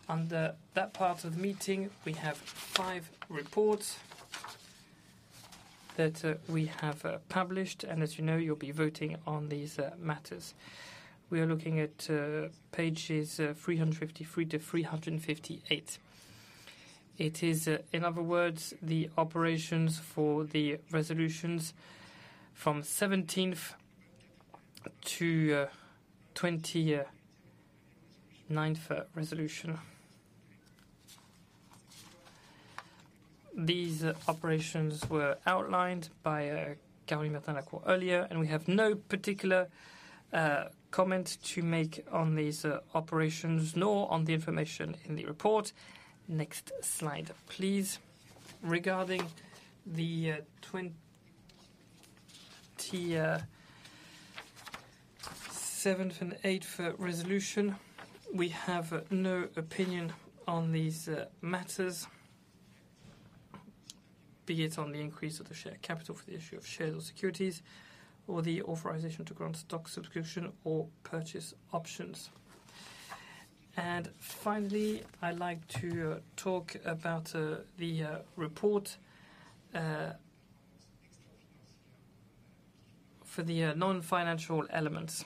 Under that part of the meeting, we have five reports that we have published, and as you know, you'll be voting on these matters. We are looking at pages 353 to 358. It is, in other words, the operations for the resolutions from 17th to 29th resolution. These operations were outlined by Caroline Bertin Delacour earlier, and we have no particular comment to make on these operations, nor on the information in the report. Next slide, please. Regarding the 27th and 28th resolution, we have no opinion on these matters, be it on the increase of the share capital for the issue of shares or securities, or the authorization to grant stock subscription or purchase options. And finally, I'd like to talk about the report for the non-financial elements.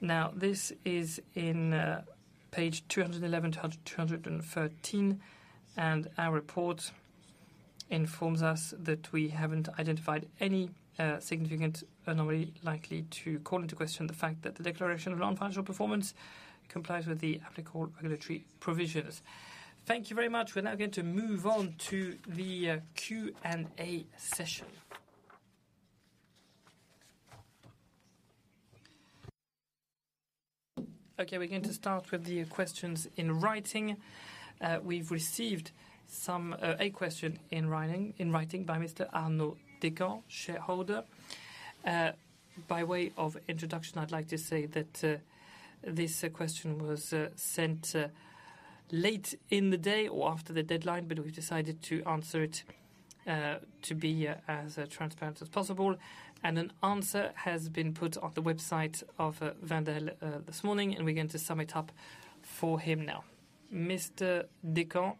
Now, this is in page 211 to 213, and our report informs us that we haven't identified any significant anomaly likely to call into question the fact that the declaration of non-financial performance complies with the applicable regulatory provisions. Thank you very much. We're now going to move on to the Q&A session. Okay, we're going to start with the questions in writing. We've received a question in writing by Mr. Arnaud Deca, shareholder. By way of introduction, I'd like to say that this question was sent late in the day or after the deadline, but we've decided to answer it. To be as transparent as possible, and an answer has been put on the website of Wendel this morning, and we're going to sum it up for him now. Mr. Decat,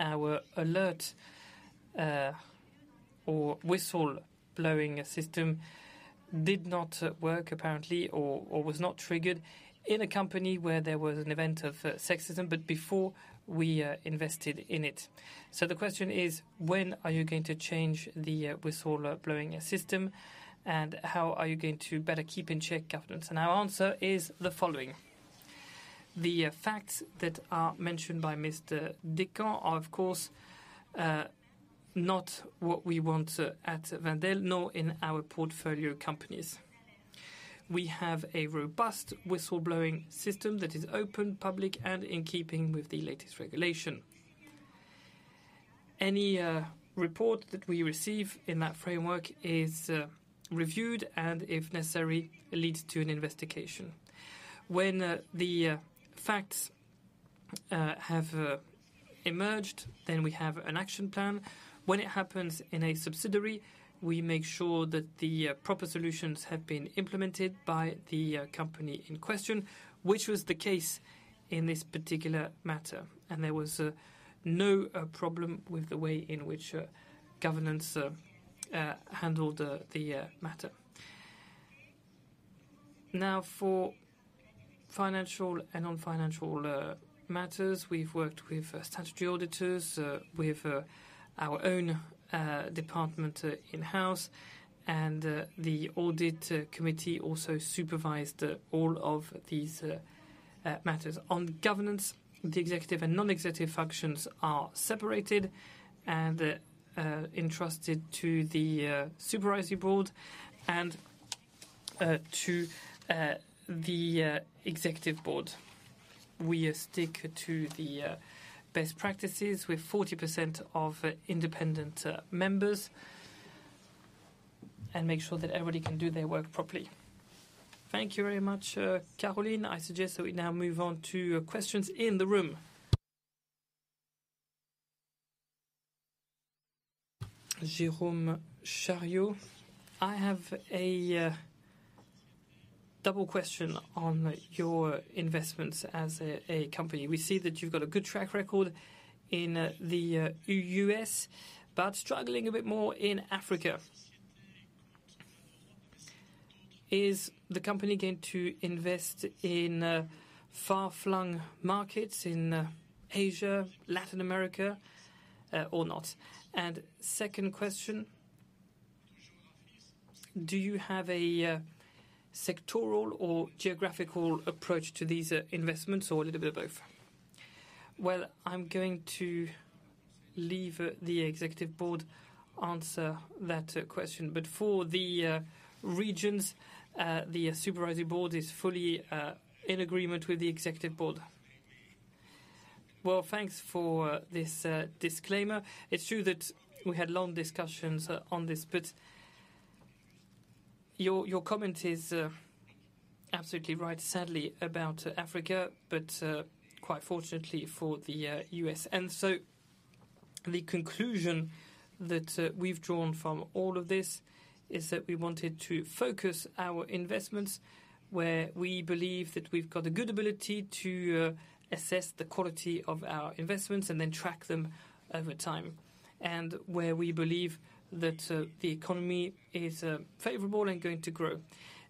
our alert or whistleblowing system did not work, apparently, or was not triggered in a company where there was an event of sexism, but before we invested in it. So the question is: When are you going to change the whistleblowing system, and how are you going to better keep in check governance? And our answer is the following: The facts that are mentioned by Mr. Decat are, of course, not what we want at Wendel, nor in our portfolio companies. We have a robust whistleblowing system that is open, public, and in keeping with the latest regulation. Any report that we receive in that framework is reviewed and, if necessary, leads to an investigation. When the facts have emerged, then we have an action plan. When it happens in a subsidiary, we make sure that the proper solutions have been implemented by the company in question, which was the case in this particular matter, and there was no problem with the way in which governance handled the matter. Now, for financial and non-financial matters, we've worked with statutory auditors, with our own department in-house, and the Audit Committee also supervised all of these matters. On governance, the executive and non-executive functions are separated and entrusted to the Supervisory Board and to the Executive Board. We stick to the best practices with 40% of independent members and make sure that everybody can do their work properly. Thank you very much, Caroline. I suggest that we now move on to questions in the room. Jerome Chario, I have a double question on your investments as a company. We see that you've got a good track record in the U.S., but struggling a bit more in Africa. Is the company going to invest in far-flung markets in Asia, Latin America, or not? And second question: Do you have a sectoral or geographical approach to these investments, or a little bit of both? Well, I'm going to leave the executive board answer that question. But for the regions, the supervisory board is fully in agreement with the executive board. Well, thanks for this disclaimer. It's true that we had long discussions on this, but your comment is absolutely right, sadly, about Africa, but quite fortunately for the US. And so the conclusion that we've drawn from all of this is that we wanted to focus our investments where we believe that we've got a good ability to assess the quality of our investments and then track them over time, and where we believe that the economy is favorable and going to grow.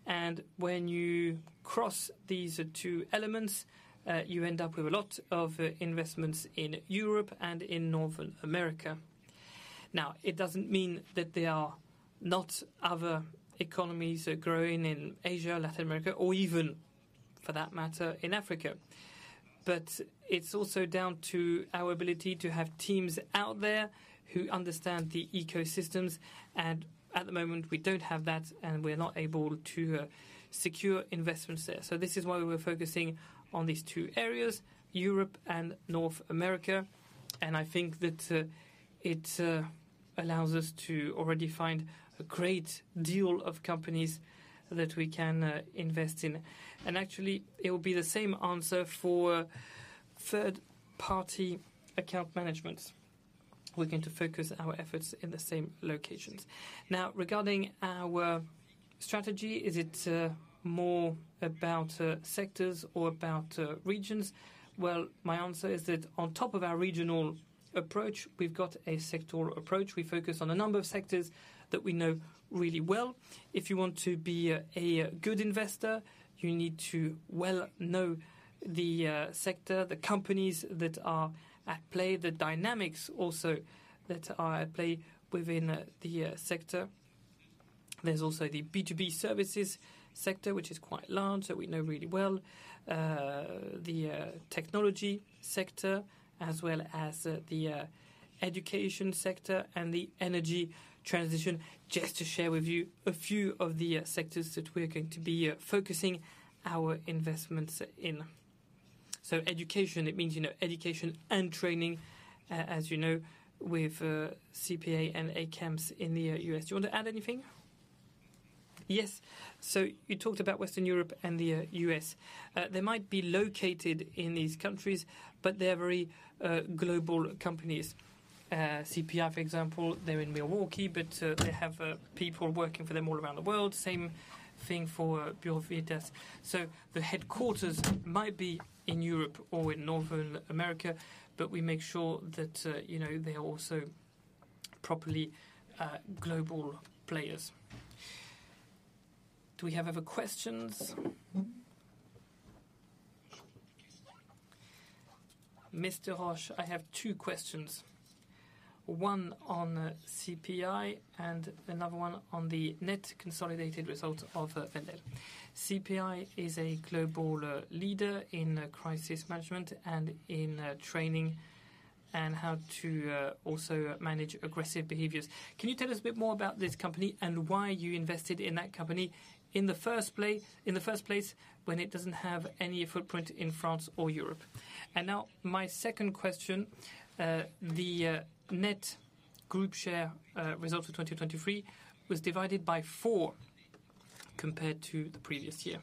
And when you cross these two elements, you end up with a lot of investments in Europe and in Northern America. Now, it doesn't mean that there are not other economies growing in Asia, Latin America, or even, for that matter, in Africa. But it's also down to our ability to have teams out there who understand the ecosystems, and at the moment, we don't have that, and we're not able to secure investments there. So this is why we're focusing on these two areas, Europe and North America, and I think that it allows us to already find a great deal of companies that we can invest in. And actually, it will be the same answer for third-party account management. We're going to focus our efforts in the same locations. Now, regarding our strategy, is it more about sectors or about regions? Well, my answer is that on top of our regional approach, we've got a sectoral approach. We focus on a number of sectors that we know really well. If you want to be a good investor, you need to well know the sector, the companies that are at play, the dynamics also that are at play within the sector. There's also the B2B services sector, which is quite large, that we know really well, the technology sector, as well as the education sector and the energy transition, just to share with you a few of the sectors that we're going to be focusing our investments in. So education, it means, you know, education and training, as you know, with CPA and ACAMS in the U.S. Do you want to add anything? Yes. So you talked about Western Europe and the U.S. They might be located in these countries, but they are very global companies. CPI, for example, they're in Milwaukee, but, they have, people working for them all around the world. Same thing for Bureau Veritas. So the headquarters might be in Europe or in North America, but we make sure that, you know, they are also properly, global players. Do we have other questions? Mr. Roche, I have two questions, one on CPI and another one on the net consolidated results of, Wendel. CPI is a global, leader in crisis management and in, training, and how to, also manage aggressive behaviors. Can you tell us a bit more about this company and why you invested in that company in the first place, in the first place, when it doesn't have any footprint in France or Europe? And now, my second question, the net group share results for 2023 was divided by four compared to the previous year.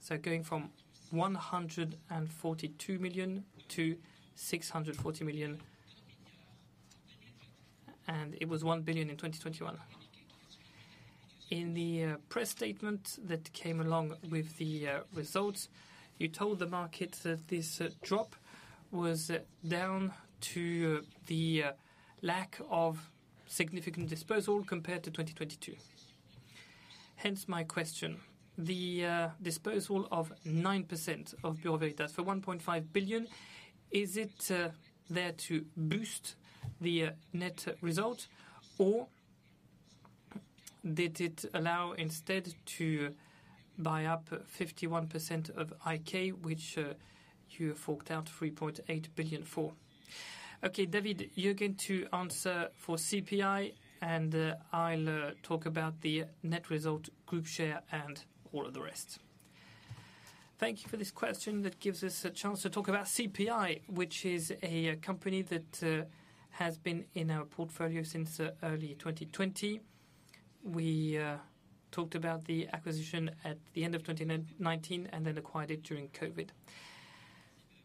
So going from 142 million to 640 million, and it was 1 billion in 2021. In the press statement that came along with the results, you told the market that this drop was down to the lack of significant disposal compared to 2022. Hence my question, the disposal of 9% of Bureau Veritas for 1.5 billion, is it there to boost the net result, or did it allow instead to buy up 51% of IK, which you forked out 3.8 billion for? Okay, David, you're going to answer for CPI, and I'll talk about the net result, group share, and all of the rest. Thank you for this question. That gives us a chance to talk about CPI, which is a company that has been in our portfolio since early 2020. We talked about the acquisition at the end of 2019, and then acquired it during COVID.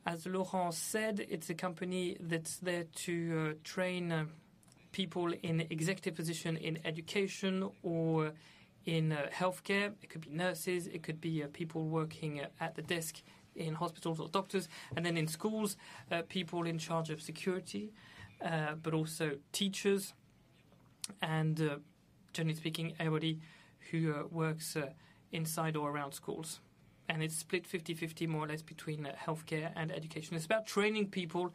As Laurent said, it's a company that's there to train people in executive position in education or in healthcare. It could be nurses, it could be people working at the desk in hospitals or doctors, and then in schools, people in charge of security, but also teachers and, generally speaking, everybody who works inside or around schools. And it's split 50/50, more or less between healthcare and education. It's about training people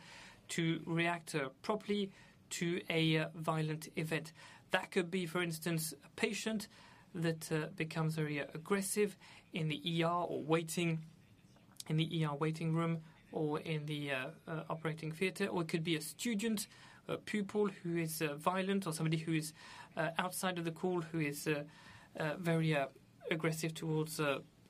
to react properly to a violent event. That could be, for instance, a patient that becomes very aggressive in the ER or waiting in the ER waiting room or in the operating theater, or it could be a student, a pupil who is violent, or somebody who is outside of the school, who is very aggressive towards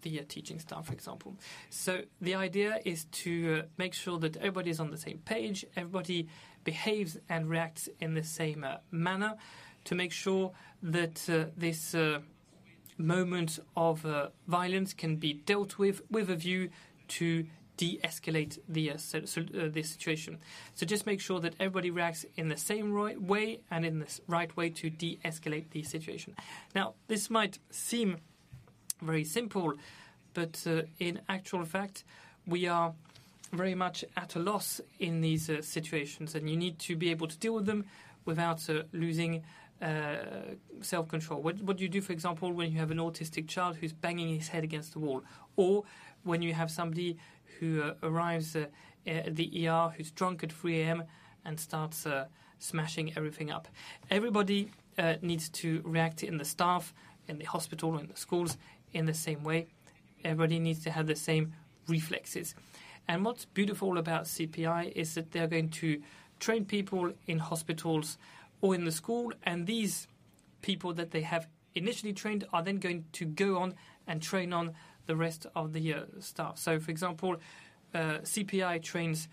the teaching staff, for example. So the idea is to make sure that everybody is on the same page, everybody behaves and reacts in the same manner, to make sure that this moment of violence can be dealt with, with a view to de-escalate the situation. So just make sure that everybody reacts in the same right way and in the right way to de-escalate the situation. Now, this might seem very simple, but in actual fact, we are very much at a loss in these situations, and you need to be able to deal with them without losing self-control. What, what do you do, for example, when you have an autistic child who's banging his head against the wall, or when you have somebody who arrives at the ER who's drunk at 3 A.M. and starts smashing everything up? Everybody needs to react in the staff, in the hospital, or in the schools in the same way. Everybody needs to have the same reflexes. And what's beautiful about CPI is that they're going to train people in hospitals or in the school, and these people that they have initially trained are then going to go on and train on the rest of the staff. So for example, CPI trains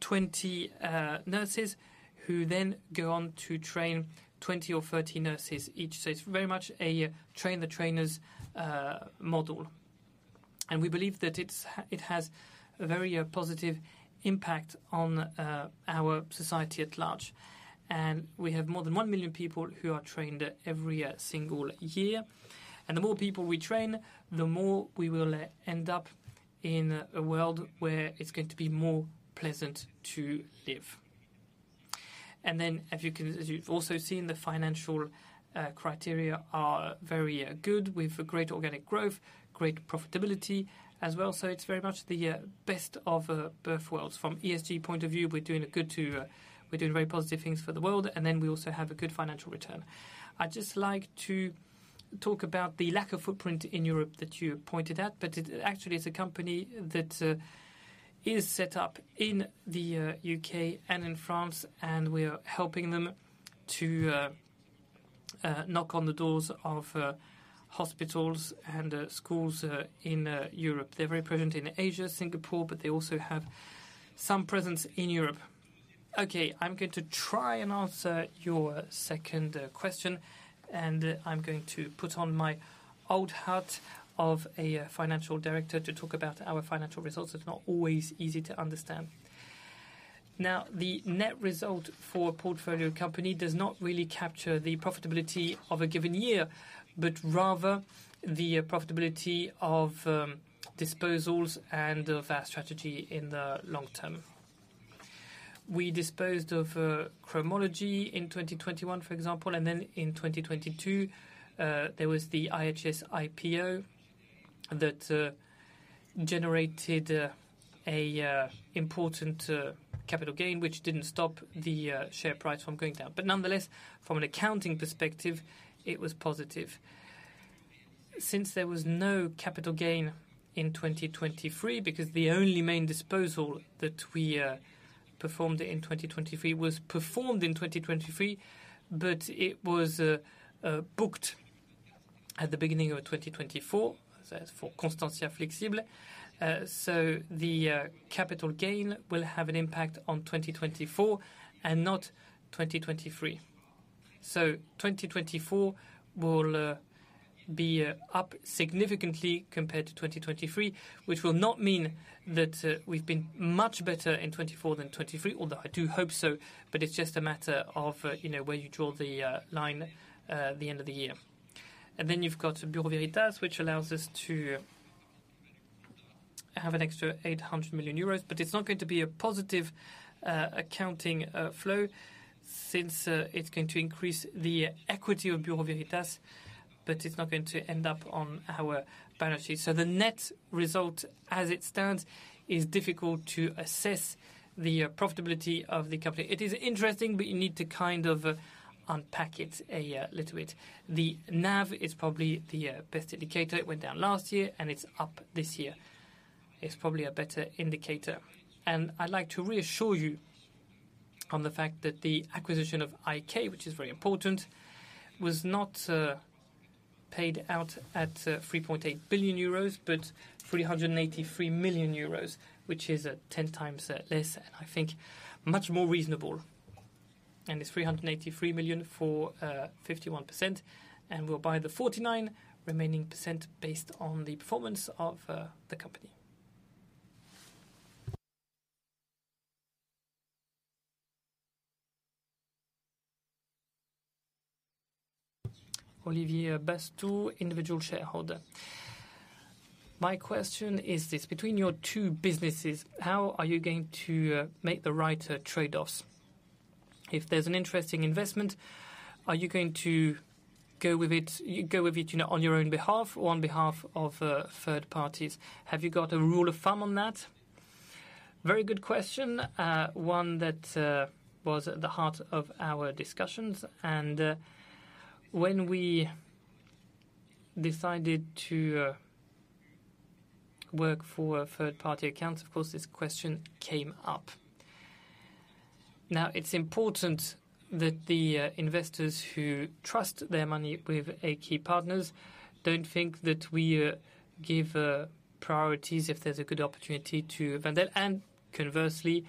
20 nurses who then go on to train 20 or 30 nurses each. So it's very much a train-the-trainers model. And we believe that it has a very positive impact on our society at large. And we have more than 1 million people who are trained every single year. And the more people we train, the more we will end up in a world where it's going to be more pleasant to live. And then, as you can... As you've also seen, the financial criteria are very good. We've a great organic growth, great profitability as well. So it's very much the best of both worlds. From ESG point of view, we're doing a good to, we're doing very positive things for the world, and then we also have a good financial return. I'd just like to talk about the lack of footprint in Europe that you pointed out, but it actually is a company that is set up in the UK and in France, and we are helping them to knock on the doors of hospitals and schools in Europe. They're very present in Asia, Singapore, but they also have some presence in Europe. Okay, I'm going to try and answer your second question, and I'm going to put on my old hat of a financial director to talk about our financial results. It's not always easy to understand. Now, the net result for a portfolio company does not really capture the profitability of a given year, but rather the profitability of disposals and of our strategy in the long term. We disposed of Cromology in 2021, for example, and then in 2022, there was the IHS IPO that generated an important capital gain, which didn't stop the share price from going down. But nonetheless, from an accounting perspective, it was positive. Since there was no capital gain in 2023, because the only main disposal that we performed in 2023 was performed in 2023, but it was booked at the beginning of 2024. That's for Constantia Flexibles. So the capital gain will have an impact on 2024 and not 2023. So 2024 will be up significantly compared to 2023, which will not mean that we've been much better in 2024 than 2023, although I do hope so, but it's just a matter of, you know, where you draw the line at the end of the year. And then you've got Bureau Veritas, which allows us to have an extra 800 million euros, but it's not going to be a positive accounting flow since it's going to increase the equity of Bureau Veritas, but it's not going to end up on our balance sheet. So the net result, as it stands, is difficult to assess the profitability of the company. It is interesting, but you need to unpack it a little bit. The NAV is probably the best indicator. It went down last year, and it's up this year. It's probably a better indicator. I'd like to reassure you on the fact that the acquisition of IK, which is very important, was not paid out at 3.8 billion euros, but 383 million euros, which is 10 times less, and I think much more reasonable. And it's 383 million for 51%, and we'll buy the 49% remaining based on the performance of the company. Olivier Bastou, individual shareholder. My question is this: Between your two businesses, how are you going to make the right trade-offs? If there's an interesting investment, are you going to go with it, go with it, you know, on your own behalf or on behalf of third parties? Have you got a rule of thumb on that? Very good question. One that was at the heart of our discussions, and when we decided to work for a third-party account, of course, this question came up. Now, it's important that the investors who trust their money with IK Partners don't think that we give priorities if there's a good opportunity to Wendel, and conversely,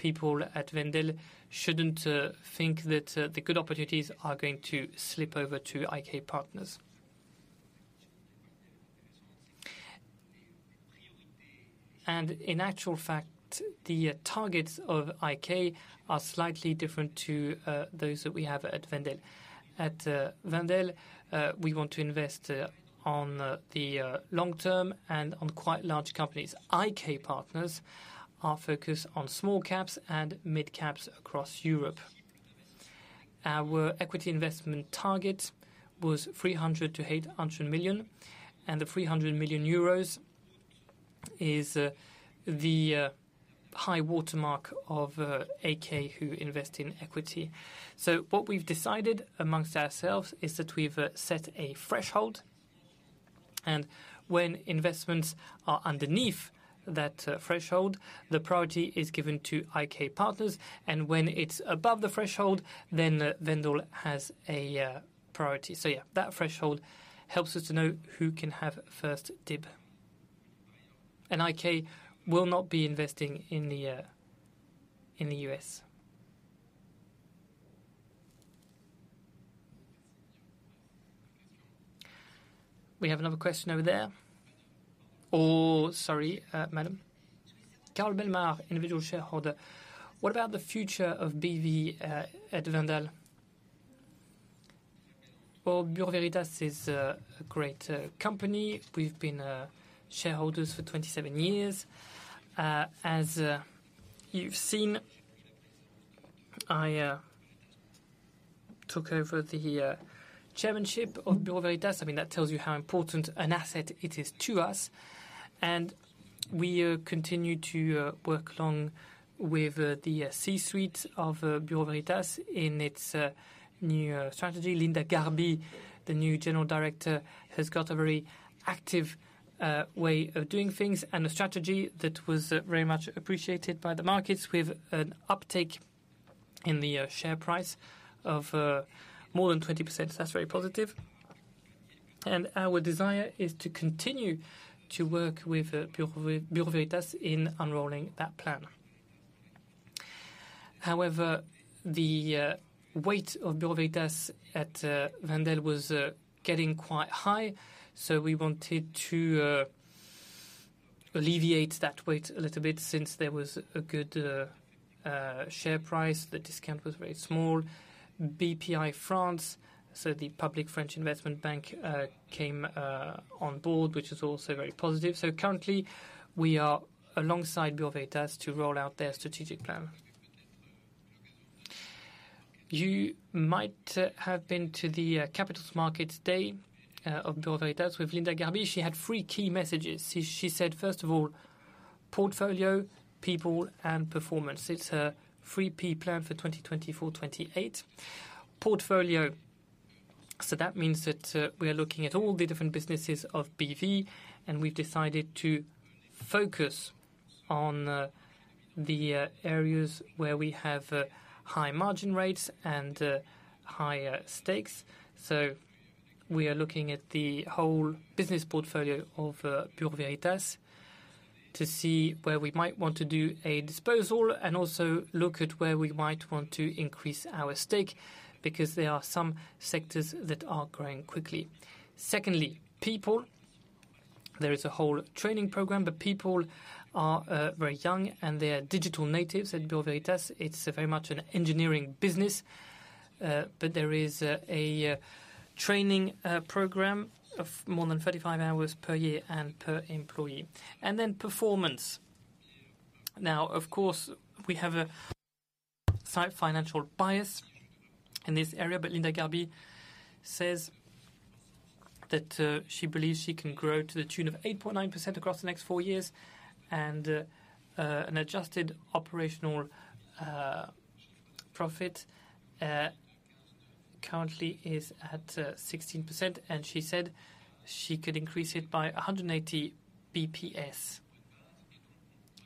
people at Wendel shouldn't think that the good opportunities are going to slip over to IK Partners. And in actual fact, the targets of IK are slightly different to those that we have at Wendel. At Wendel, we want to invest on the long term and on quite large companies. IK Partners are focused on small caps and mid caps across Europe. Our equity investment target was 300 million-800 million, and the 300 million euros is the high-water mark of IK, who invest in equity. So what we've decided amongst ourselves is that we've set a threshold, and when investments are underneath that threshold, the priority is given to IK Partners, and when it's above the threshold, then Wendel has a priority. So that threshold helps us to know who can have first dib. And IK will not be investing in the U.S. We have another question over there. Sorry, madam. Carl Belmar, individual shareholder. What about the future of BV at Wendel? Well, Bureau Veritas is a great company. We've been shareholders for 27 years. As you've seen, I took over the chairmanship of Bureau Veritas. I mean, that tells you how important an asset it is to us, and we continue to work along with the C-suite of Bureau Veritas in its new strategy. Hinda Gharbi, the new general director, has got a very active way of doing things and a strategy that was very much appreciated by the markets, with an uptake in the share price of more than 20%. So that's very positive. And our desire is to continue to work with Bureau Veritas in unrolling that plan. However, the weight of Bureau Veritas at Wendel was getting quite high, so we wanted to alleviate that weight a little bit since there was a good share price. The discount was very small. Bpifrance, so the public French investment bank, came on board, which is also very positive. So currently, we are alongside Bureau Veritas to roll out their strategic plan. You might have been to the capital markets day of Bureau Veritas with Hinda Gharbi. She had three key messages. She said, first of all, portfolio, people, and performance. It's a three P plan for 2024-2028. Portfolio, so that means that we are looking at all the different businesses of BV, and we've decided to focus on the areas where we have high margin rates and higher stakes. So we are looking at the whole business portfolio of Bureau Veritas to see where we might want to do a disposal, and also look at where we might want to increase our stake, because there are some sectors that are growing quickly. Secondly, people. There is a whole training program, the people are very young, and they are digital natives at Bureau Veritas. It's very much an engineering business, but there is a training program of more than 35 hours per year and per employee. And then performance. Now, of course, we have a financial bias in this area, but Linda Garby says that she believes she can grow to the tune of 8.9% across the next four years, and an adjusted operating profit currently is at 16%, and she said she could increase it by 180 BPS,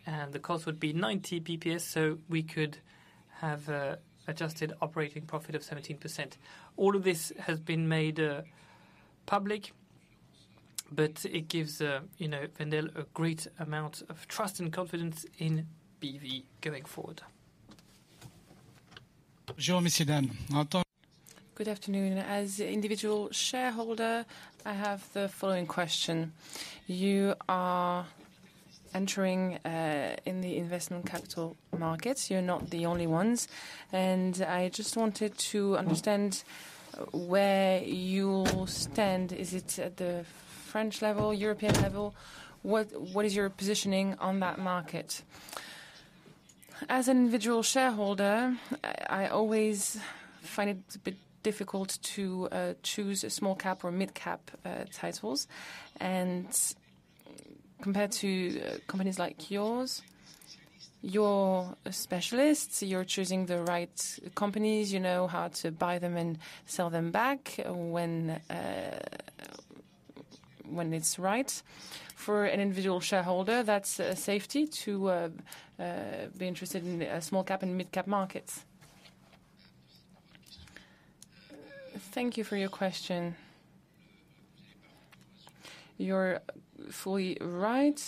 and the cost would be 90 BPS, so we could have adjusted operating profit of 17%. All of this has been made public, but it gives, you know, Wendel a great amount of trust and confidence in BV going forward. Good afternoon. As individual shareholder, I have the following question: You are entering in the investment capital markets. You're not the only ones, and I just wanted to understand where you stand. Is it at the French level, European level? What, what is your positioning on that market? As an individual shareholder, I, I always find it a bit difficult to choose a small cap or mid-cap titles. And compared to companies like yours, you're specialists, you're choosing the right companies. You know how to buy them and sell them back when, when it's right. For an individual shareholder, that's a safety to be interested in the small cap and mid cap markets. Thank you for your question. You're fully right.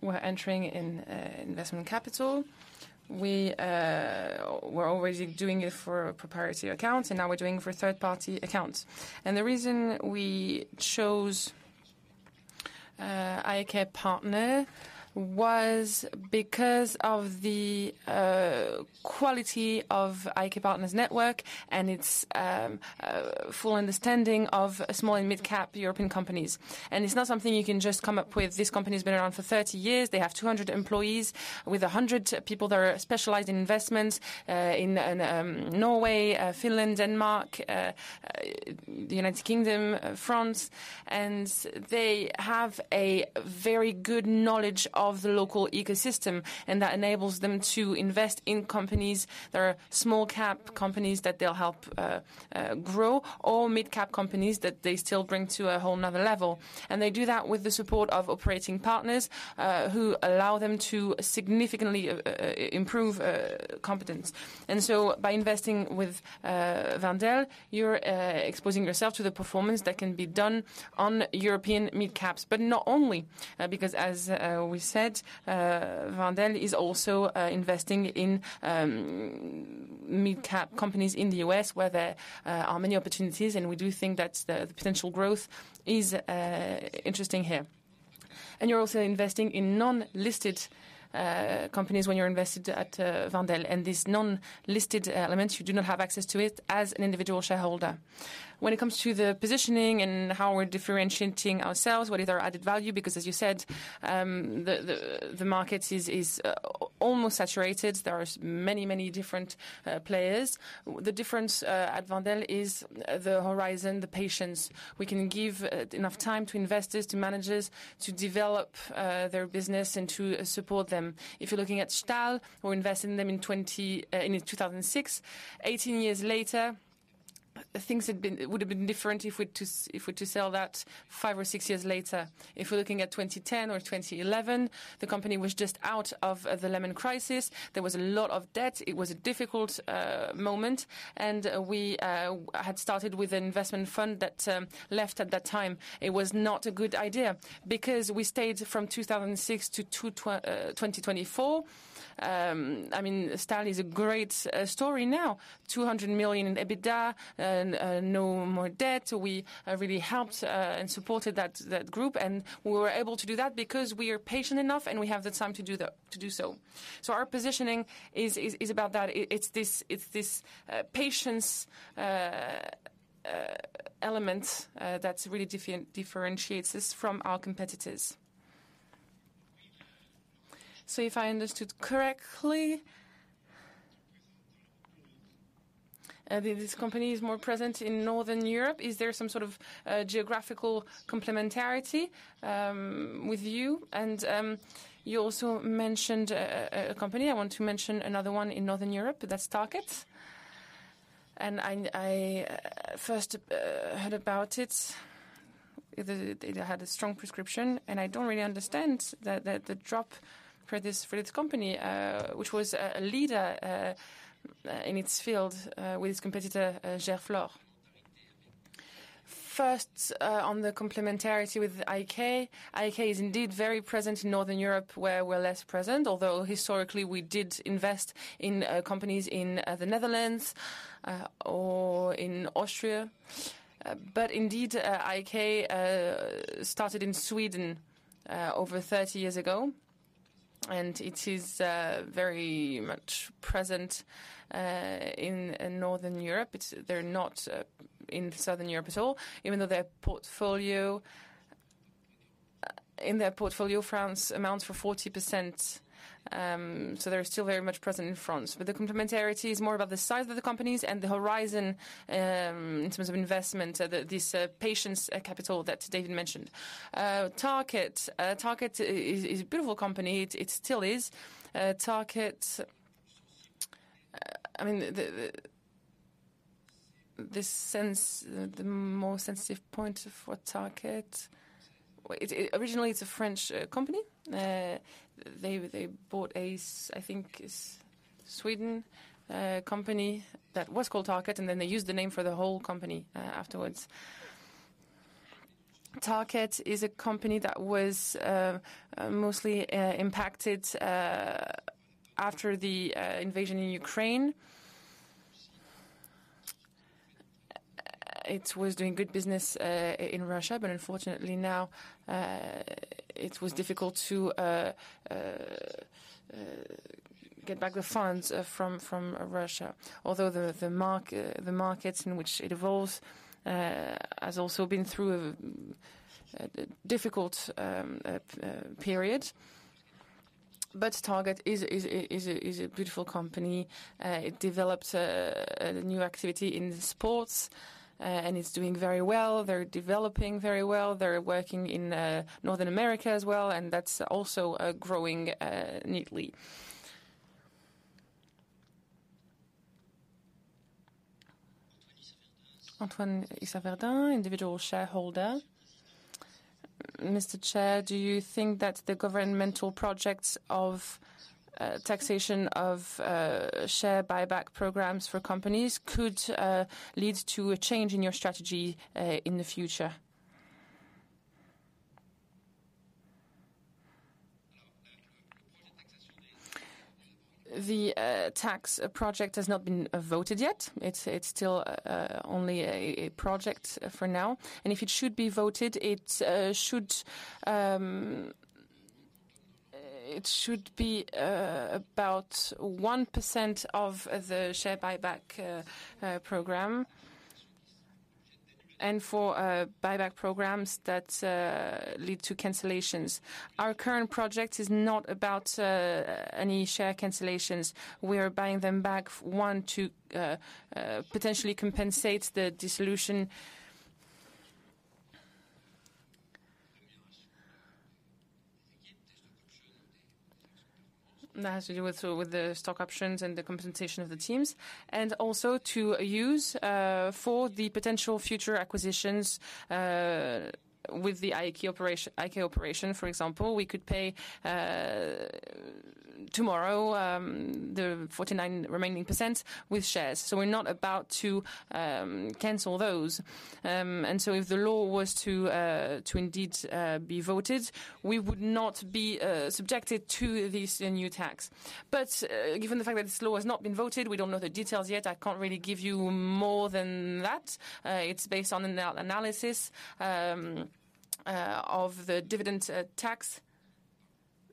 We're entering in investment capital. We're already doing it for proprietary accounts, and now we're doing it for third-party accounts. The reason we chose IK Partners was because of the quality of IK Partners's network and its full understanding of small and mid-cap European companies. It's not something you can just come up with. This company's been around for 30 years. They have 200 employees, with 100 people that are specialized in investments in Norway, Finland, Denmark, the United Kingdom, France, and they have a very good knowledge of the local ecosystem, and that enables them to invest in companies that are small cap companies that they'll help grow, or mid-cap companies that they still bring to a whole another level. They do that with the support of operating partners, who allow them to significantly improve competence. So by investing with Wendel, you're exposing yourself to the performance that can be done on European mid caps. But not only, because, as we said, Wendel is also investing in mid-cap companies in the U.S., where there are many opportunities, and we do think that the potential growth is interesting here. And you're also investing in non-listed companies when you're invested at Wendel, and these non-listed elements, you do not have access to it as an individual shareholder. When it comes to the positioning and how we're differentiating ourselves, what is our added value, because, as you said, the market is almost saturated. There are many, many different players. The difference at Wendel is the horizon, the patience. We can give enough time to investors, to managers, to develop their business and to support them. If you're looking at Stahl, we invested in them in 2006. 18 years later, things would have been different if we were to sell that five or six years later. If we're looking at 2010 or 2011, the company was just out of the Lehman crisis. There was a lot of debt. It was a difficult moment, and we had started with an investment fund that left at that time. It was not a good idea because we stayed from 2006 to 2024. I mean, Stahl is a great story now. 200 million in EBITDA and no more debt. So we really helped and supported that group, and we were able to do that because we are patient enough and we have the time to do the—to do so. So our positioning is about that. It’s this patience element that really differentiates us from our competitors. So if I understood correctly, this company is more present in Northern Europe. Is there some geographical complementarity with you? And you also mentioned a company. I want to mention another one in Northern Europe, that’s Tarkett. And I first heard about it. It had a strong prescription, and I don't really understand that, the drop for this company, which was a leader in its field, with its competitor, Gerflor. First, on the complementarity with IK. IK is indeed very present in Northern Europe, where we're less present, although historically we did invest in companies in the Netherlands or in Austria. But indeed, IK started in Sweden over 30 years ago, and it is very much present in Northern Europe. They're not in Southern Europe at all, even though their portfolio. In their portfolio, France amounts for 40%, so they're still very much present in France. But the complementarity is more about the size of the companies and the horizon, in terms of investment, this patience capital that David mentioned. Tarkett. Tarkett is a beautiful company. It still is. Tarkett, I mean, the sense, the more sensitive point for Tarkett... Well, it originally, it's a French company. They bought a Swedish company that was called Tarkett, and then they used the name for the whole company afterwards. Tarkett is a company that was mostly impacted after the invasion in Ukraine. It was doing good business in Russia, but unfortunately now it was difficult to get back the funds from Russia. Although the markets in which it evolves has also been through a difficult period. But Tarkett is a beautiful company. It developed a new activity in sports, and it's doing very well. They're developing very well. They're working in North America as well, and that's also growing neatly. Antoine Issaverdens, individual shareholder. Mr. Chair, do you think that the governmental projects of taxation of share buyback programs for companies could lead to a change in your strategy in the future? The tax project has not been voted yet. It's still only a project for now, and if it should be voted, it should... It should be about 1% of the share buyback program, and for buyback programs that lead to cancellations. Our current project is not about any share cancellations. We are buying them back one to potentially compensate the dissolution. That has to do with the stock options and the compensation of the teams, and also to use for the potential future acquisitions with the IK operation. IK operation, for example, we could pay tomorrow the 49 remaining percent with shares, so we're not about to cancel those. And so if the law was to indeed be voted, we would not be subjected to this new tax. But given the fact that this law has not been voted, we don't know the details yet. I can't really give you more than that. It's based on an analysis of the dividend tax.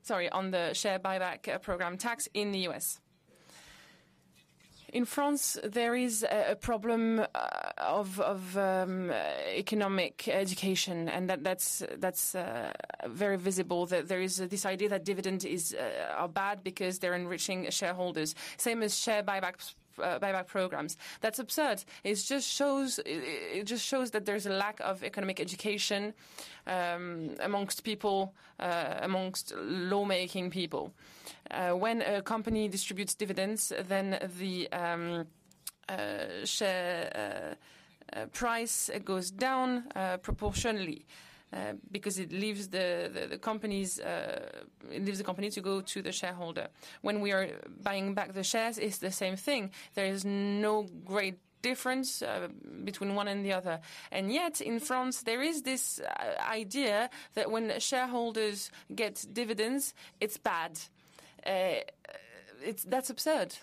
Sorry, on the share buyback program tax in the U.S. In France, there is a problem of economic education, and that's very visible, that there is this idea that dividends are bad because they're enriching shareholders, same as share buybacks, buyback programs. That's absurd. It just shows that there's a lack of economic education amongst people, amongst lawmaking people. When a company distributes dividends, then the share price goes down proportionally because it leaves the company to go to the shareholder. When we are buying back the shares, it's the same thing. There is no great difference between one and the other. And yet, in France, there is this idea that when shareholders get dividends, it's bad. It's, that's absurd!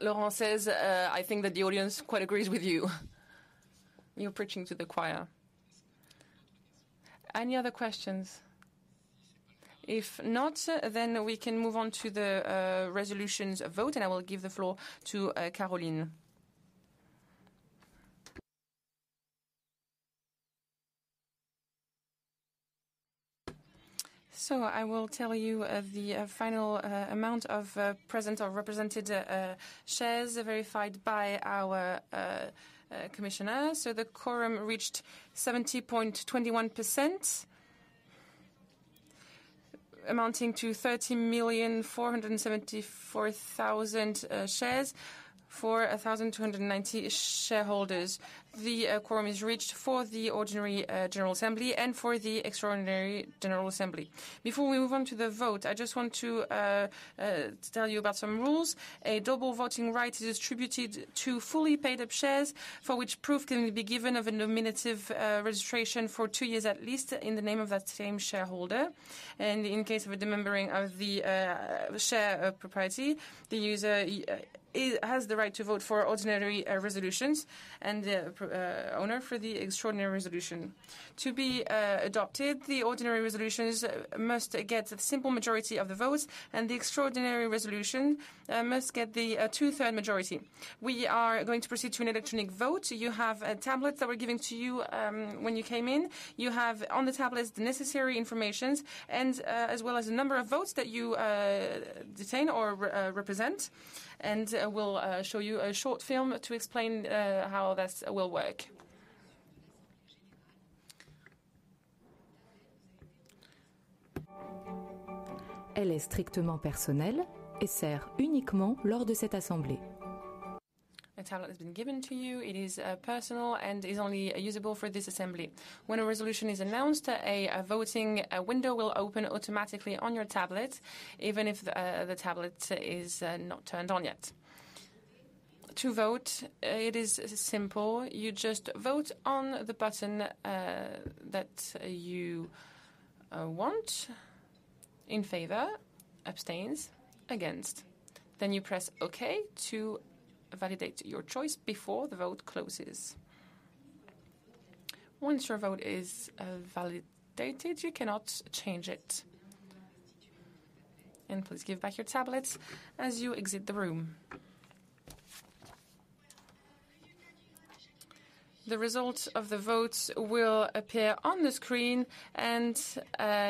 Laurent says, "I think that the audience quite agrees with you." You're preaching to the choir. Any other questions? If not, then we can move on to the resolutions vote, and I will give the floor to Caroline. So I will tell you the final amount of present or represented shares verified by our commissioner. So the quorum reached 70.21%, amounting to 30,474,000 shares for 1,290 shareholders. The quorum is reached for the ordinary general assembly and for the extraordinary general assembly. Before we move on to the vote, I just want to tell you about some rules. A double voting right is distributed to fully paid-up shares, for which proof can be given of a nominative registration for two years, at least, in the name of that same shareholder. In case of a dememberment of the share of property, the user has the right to vote for ordinary resolutions and the owner for the extraordinary resolution. To be adopted, the ordinary resolutions must get a simple majority of the votes, and the extraordinary resolution must get the two-thirds majority. We are going to proceed to an electronic vote. You have a tablet that were given to you when you came in. You have on the tablet the necessary information and, as well as the number of votes that you hold or represent, and we'll show you a short film to explain how this will work. The tablet has been given to you. It is personal and is only usable for this assembly. When a resolution is announced, a voting window will open automatically on your tablet, even if the tablet is not turned on yet. To vote, it is simple. You just vote on the button that you want: in favor, abstain, against. Then you press Okay to validate your choice before the vote closes. Once your vote is validated, you cannot change it. And please give back your tablet as you exit the room. The results of the votes will appear on the screen, and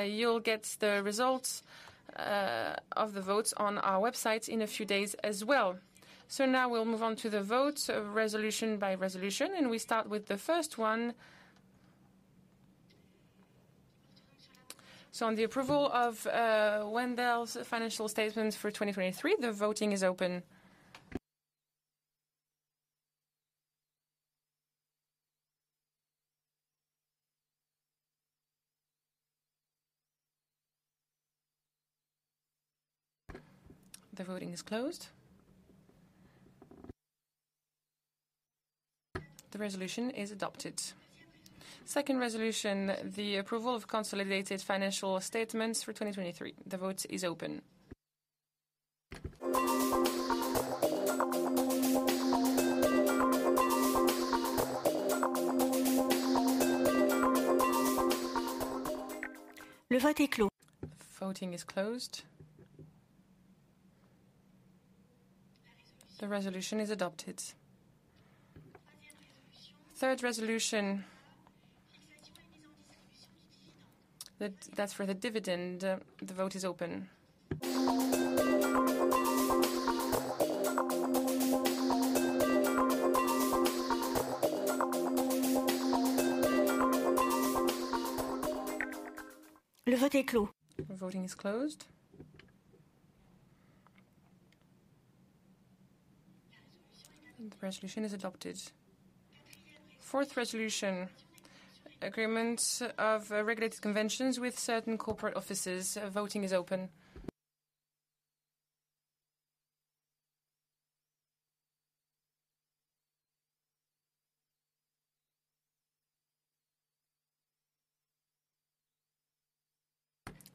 you'll get the results of the votes on our website in a few days as well. So now we'll move on to the votes, resolution by resolution, and we start with the first one. So on the approval of Wendel's financial statements for 2023, the voting is open. The voting is closed. The resolution is adopted. Second resolution, the approval of consolidated financial statements for 2023. The vote is open. Voting is closed. The resolution is adopted. Third resolution, that's for the dividend. The vote is open. The voting is closed. The resolution is adopted. Fourth resolution, agreement of regulated conventions with certain corporate offices. Voting is open.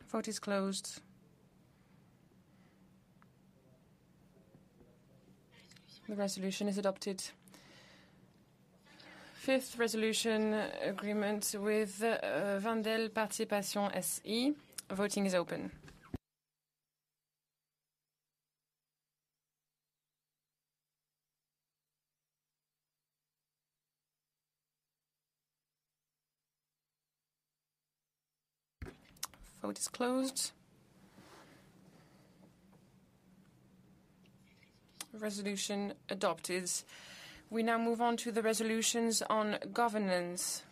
Vote is closed. The resolution is adopted. Fifth resolution, agreement with Wendel-Participations SE. Voting is open. Vote is closed. Resolution adopted. We now move on to the resolutions on governance.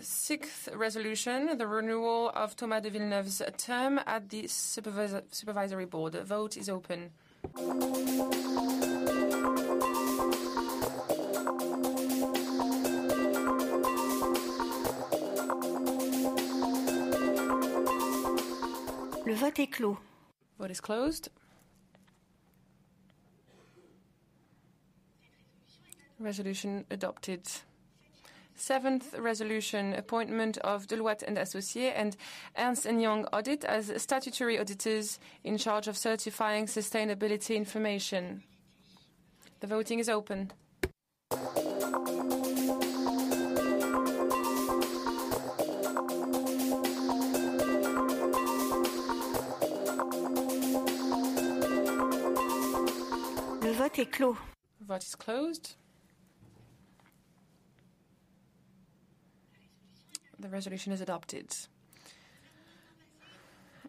Sixth resolution, the renewal of Thomas de Villeneuve's term at the Supervisory Board. Vote is open. Vote is closed. Resolution adopted. Seventh resolution, appointment of Deloitte & Associates and Ernst & Young Audit as statutory auditors in charge of certifying sustainability information. The voting is open. Vote is closed. The resolution is adopted.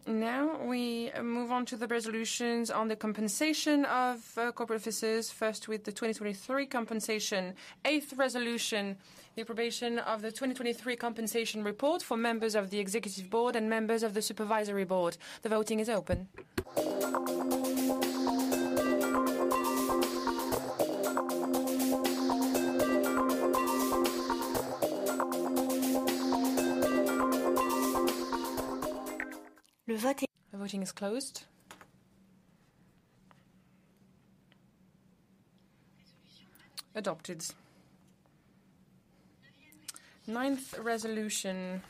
Now, we move on to the resolutions on the compensation of corporate officers, first with the 2023 compensation. Eighth resolution, the approbation of the 2023 compensation report for members of the Executive Board and members of the Supervisory Board. The voting is open. The voting is closed. Adopted. Ninth resolution,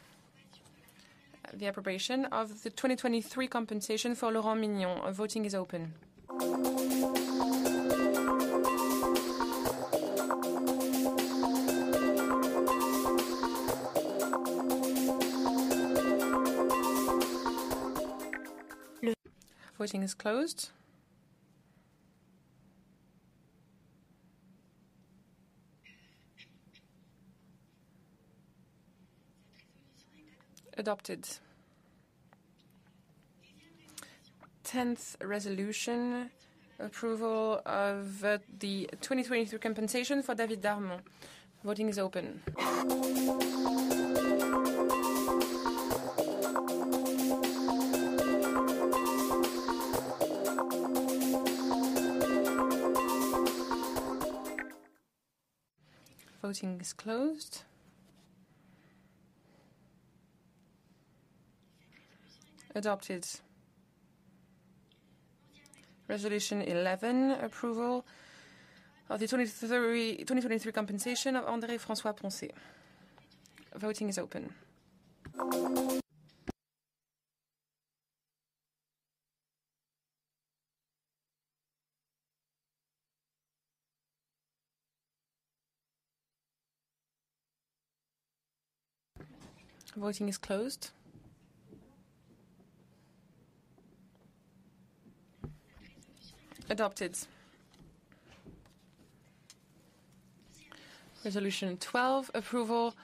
the approbation of the 2023 compensation for Laurent Mignon. Voting is open. Voting is closed. Adopted. Tenth resolution, approval of the 2023 compensation for David Darmon. Voting is open. Voting is closed. Adopted. Resolution 11, approval of the 2023 compensation of André François-Poncet. Voting is open. Voting is closed. Adopted. Resolution 12, approval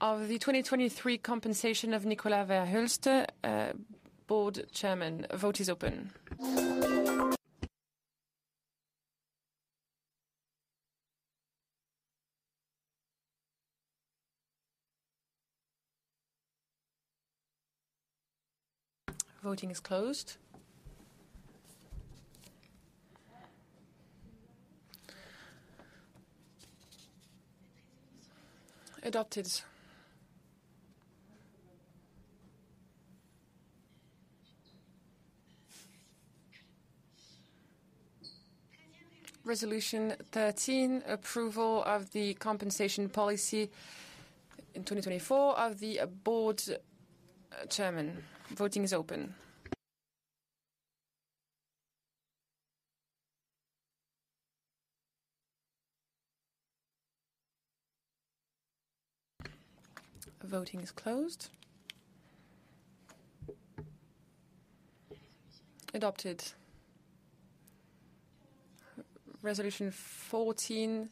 of the 2023 compensation of Nicolas ver Hulst, board chairman. Vote is open. Voting is closed. Adopted. Resolution 13, approval of the compensation policy in 2024 of the board chairman. Voting is open. Voting is closed. Adopted. Resolution 14,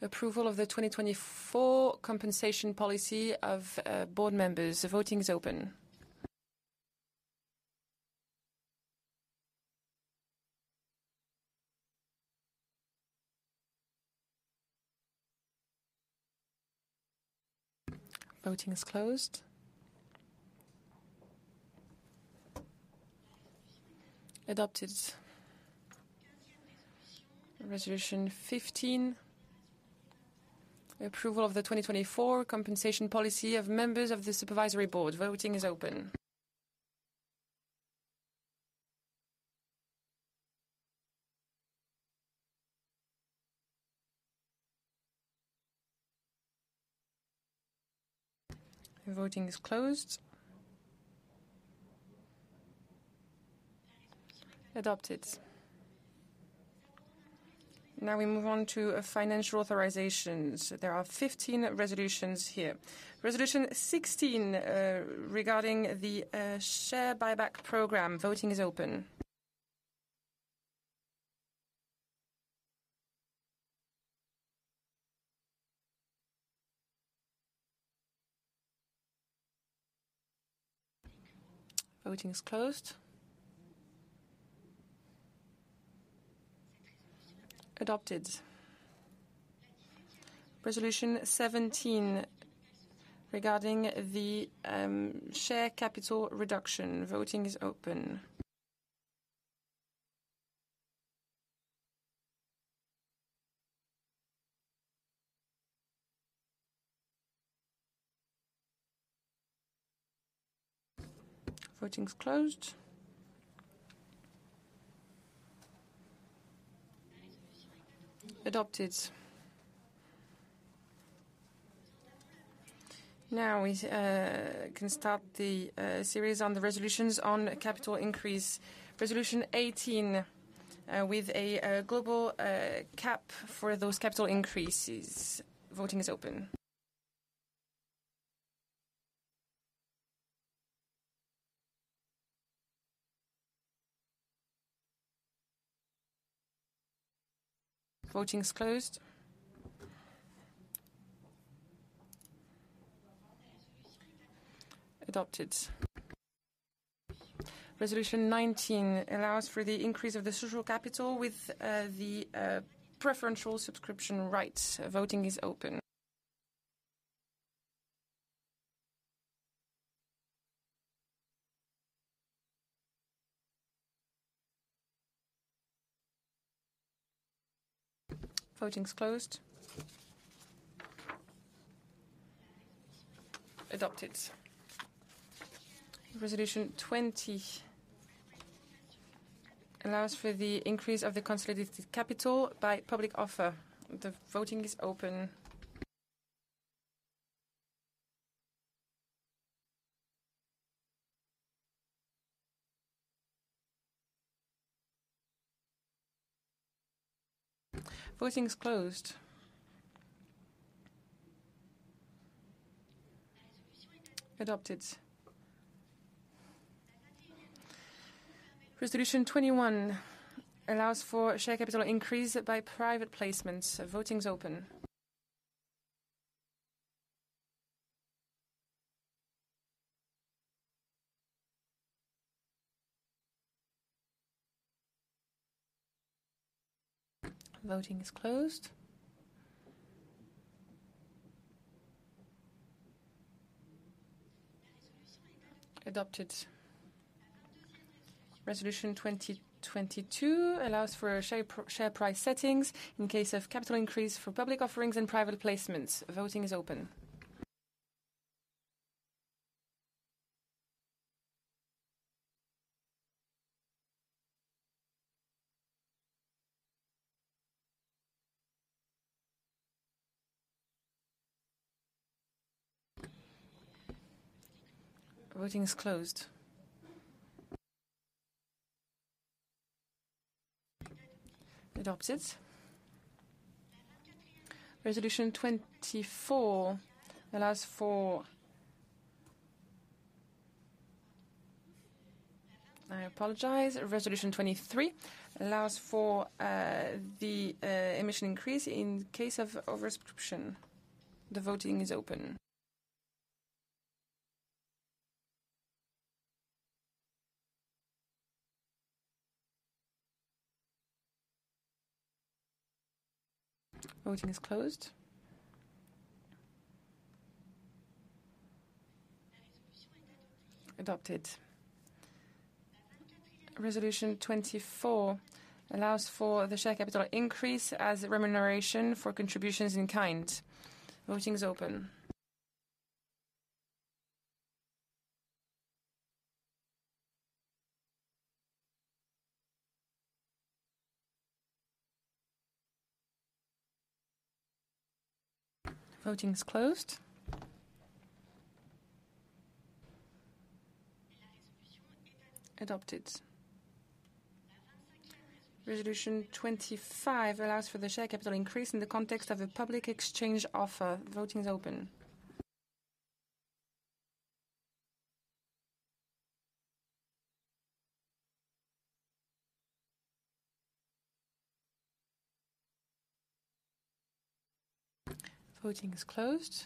approval of the 2024 compensation policy of board members. The voting is open. Voting is closed. Adopted. Resolution 15, approval of the 2024 compensation policy of members of the supervisory board. Voting is open. Voting is closed. Adopted. Now we move on to financial authorizations. There are 15 resolutions here. Resolution 16 regarding the share buyback program. Voting is open. Voting is closed. Adopted. Resolution 17 regarding the share capital reduction. Voting is open. Voting is closed. Adopted. Now we can start the series on the resolutions on capital increase. Resolution 18 with a global cap for those capital increases. Voting is open. Voting is closed. Adopted. Resolution 19 allows for the increase of the social capital with the preferential subscription rights. Voting is open. Voting is closed. Adopted. Resolution 20 allows for the increase of the consolidated capital by public offer. The voting is open. Voting is closed. Adopted. Resolution 21 allows for share capital increase by private placement. Voting is open. Voting is closed. Adopted. Resolution 22 allows for share price settings in case of capital increase for public offerings and private placements. Voting is open. Voting is closed. Adopted. Resolution 24 allows for... I apologize. Resolution 23 allows for the emission increase in case of oversubscription. The voting is open. Voting is closed. Adopted. Resolution 24 allows for the share capital increase as remuneration for contributions in kind. Voting is open. Voting is closed. Adopted. Resolution 25 allows for the share capital increase in the context of a public exchange offer. Voting is open. Voting is closed.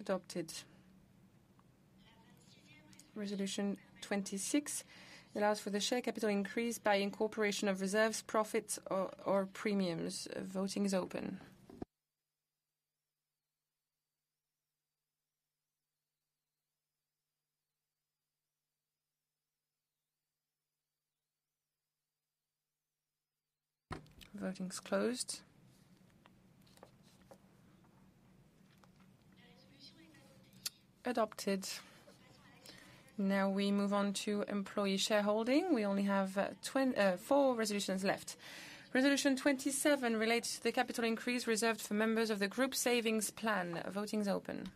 Adopted. Resolution 26 allows for the share capital increase by incorporation of reserves, profits, or premiums. Voting is open. Voting is closed. Adopted. Now we move on to employee shareholding. We only have four resolutions left. Resolution 27 relates to the capital increase reserved for members of the group savings plan. Voting is open.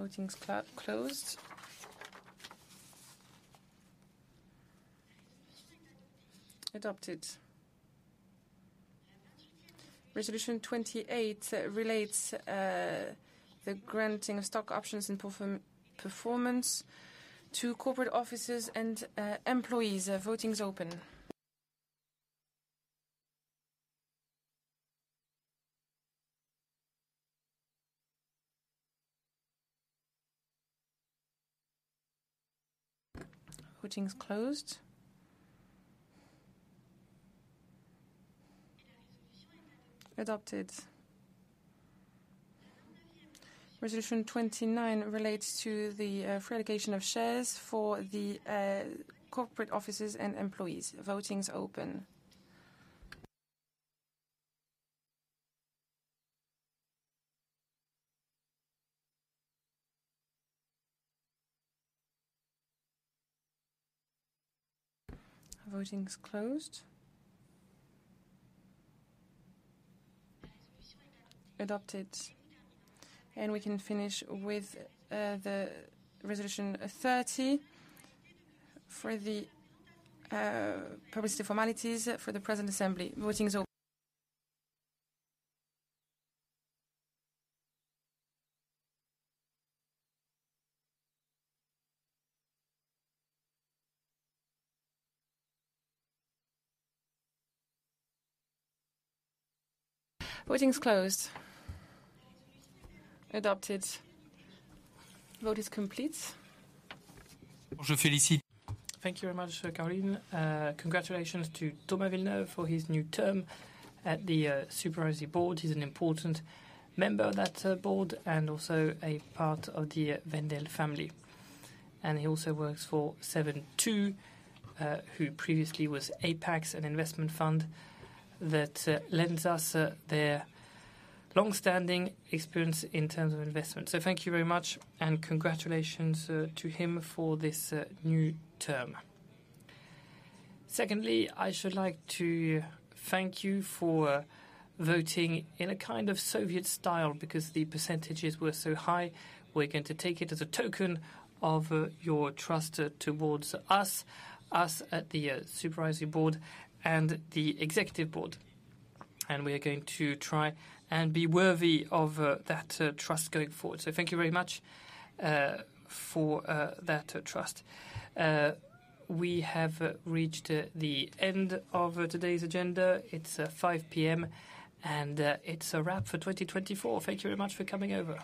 Voting is closed. Adopted. Resolution 28 relates the granting of stock options and performance to corporate officers and employees. Voting is open. Voting is closed. Adopted. Resolution 29 relates to the free allocation of shares for the corporate officers and employees. Voting is open. Voting is closed. Adopted. And we can finish with the resolution 30 for the publicity formalities for the present assembly. Voting is closed. Adopted. Vote is complete. Thank you very much, Caroline. Congratulations to Thomas de Villeneuve for his new term at the Supervisory Board. He's an important member of that board and also a part of the Wendel family. And he also works for Seven2, who previously was Apax, an investment fund that lends us their long-standing experience in terms of investment. So thank you very much, and congratulations to him for this new term. Secondly, I should like to thank you for voting in a Soviet style because the percentages were so high. We're going to take it as a token of your trust towards us, us at the Supervisory Board and the Executive Board, and we are going to try and be worthy of that trust going forward. So thank you very much for that trust. We have reached the end of today's agenda. It's 5:00 P.M., and it's a wrap for 2024. Thank you very much for coming over.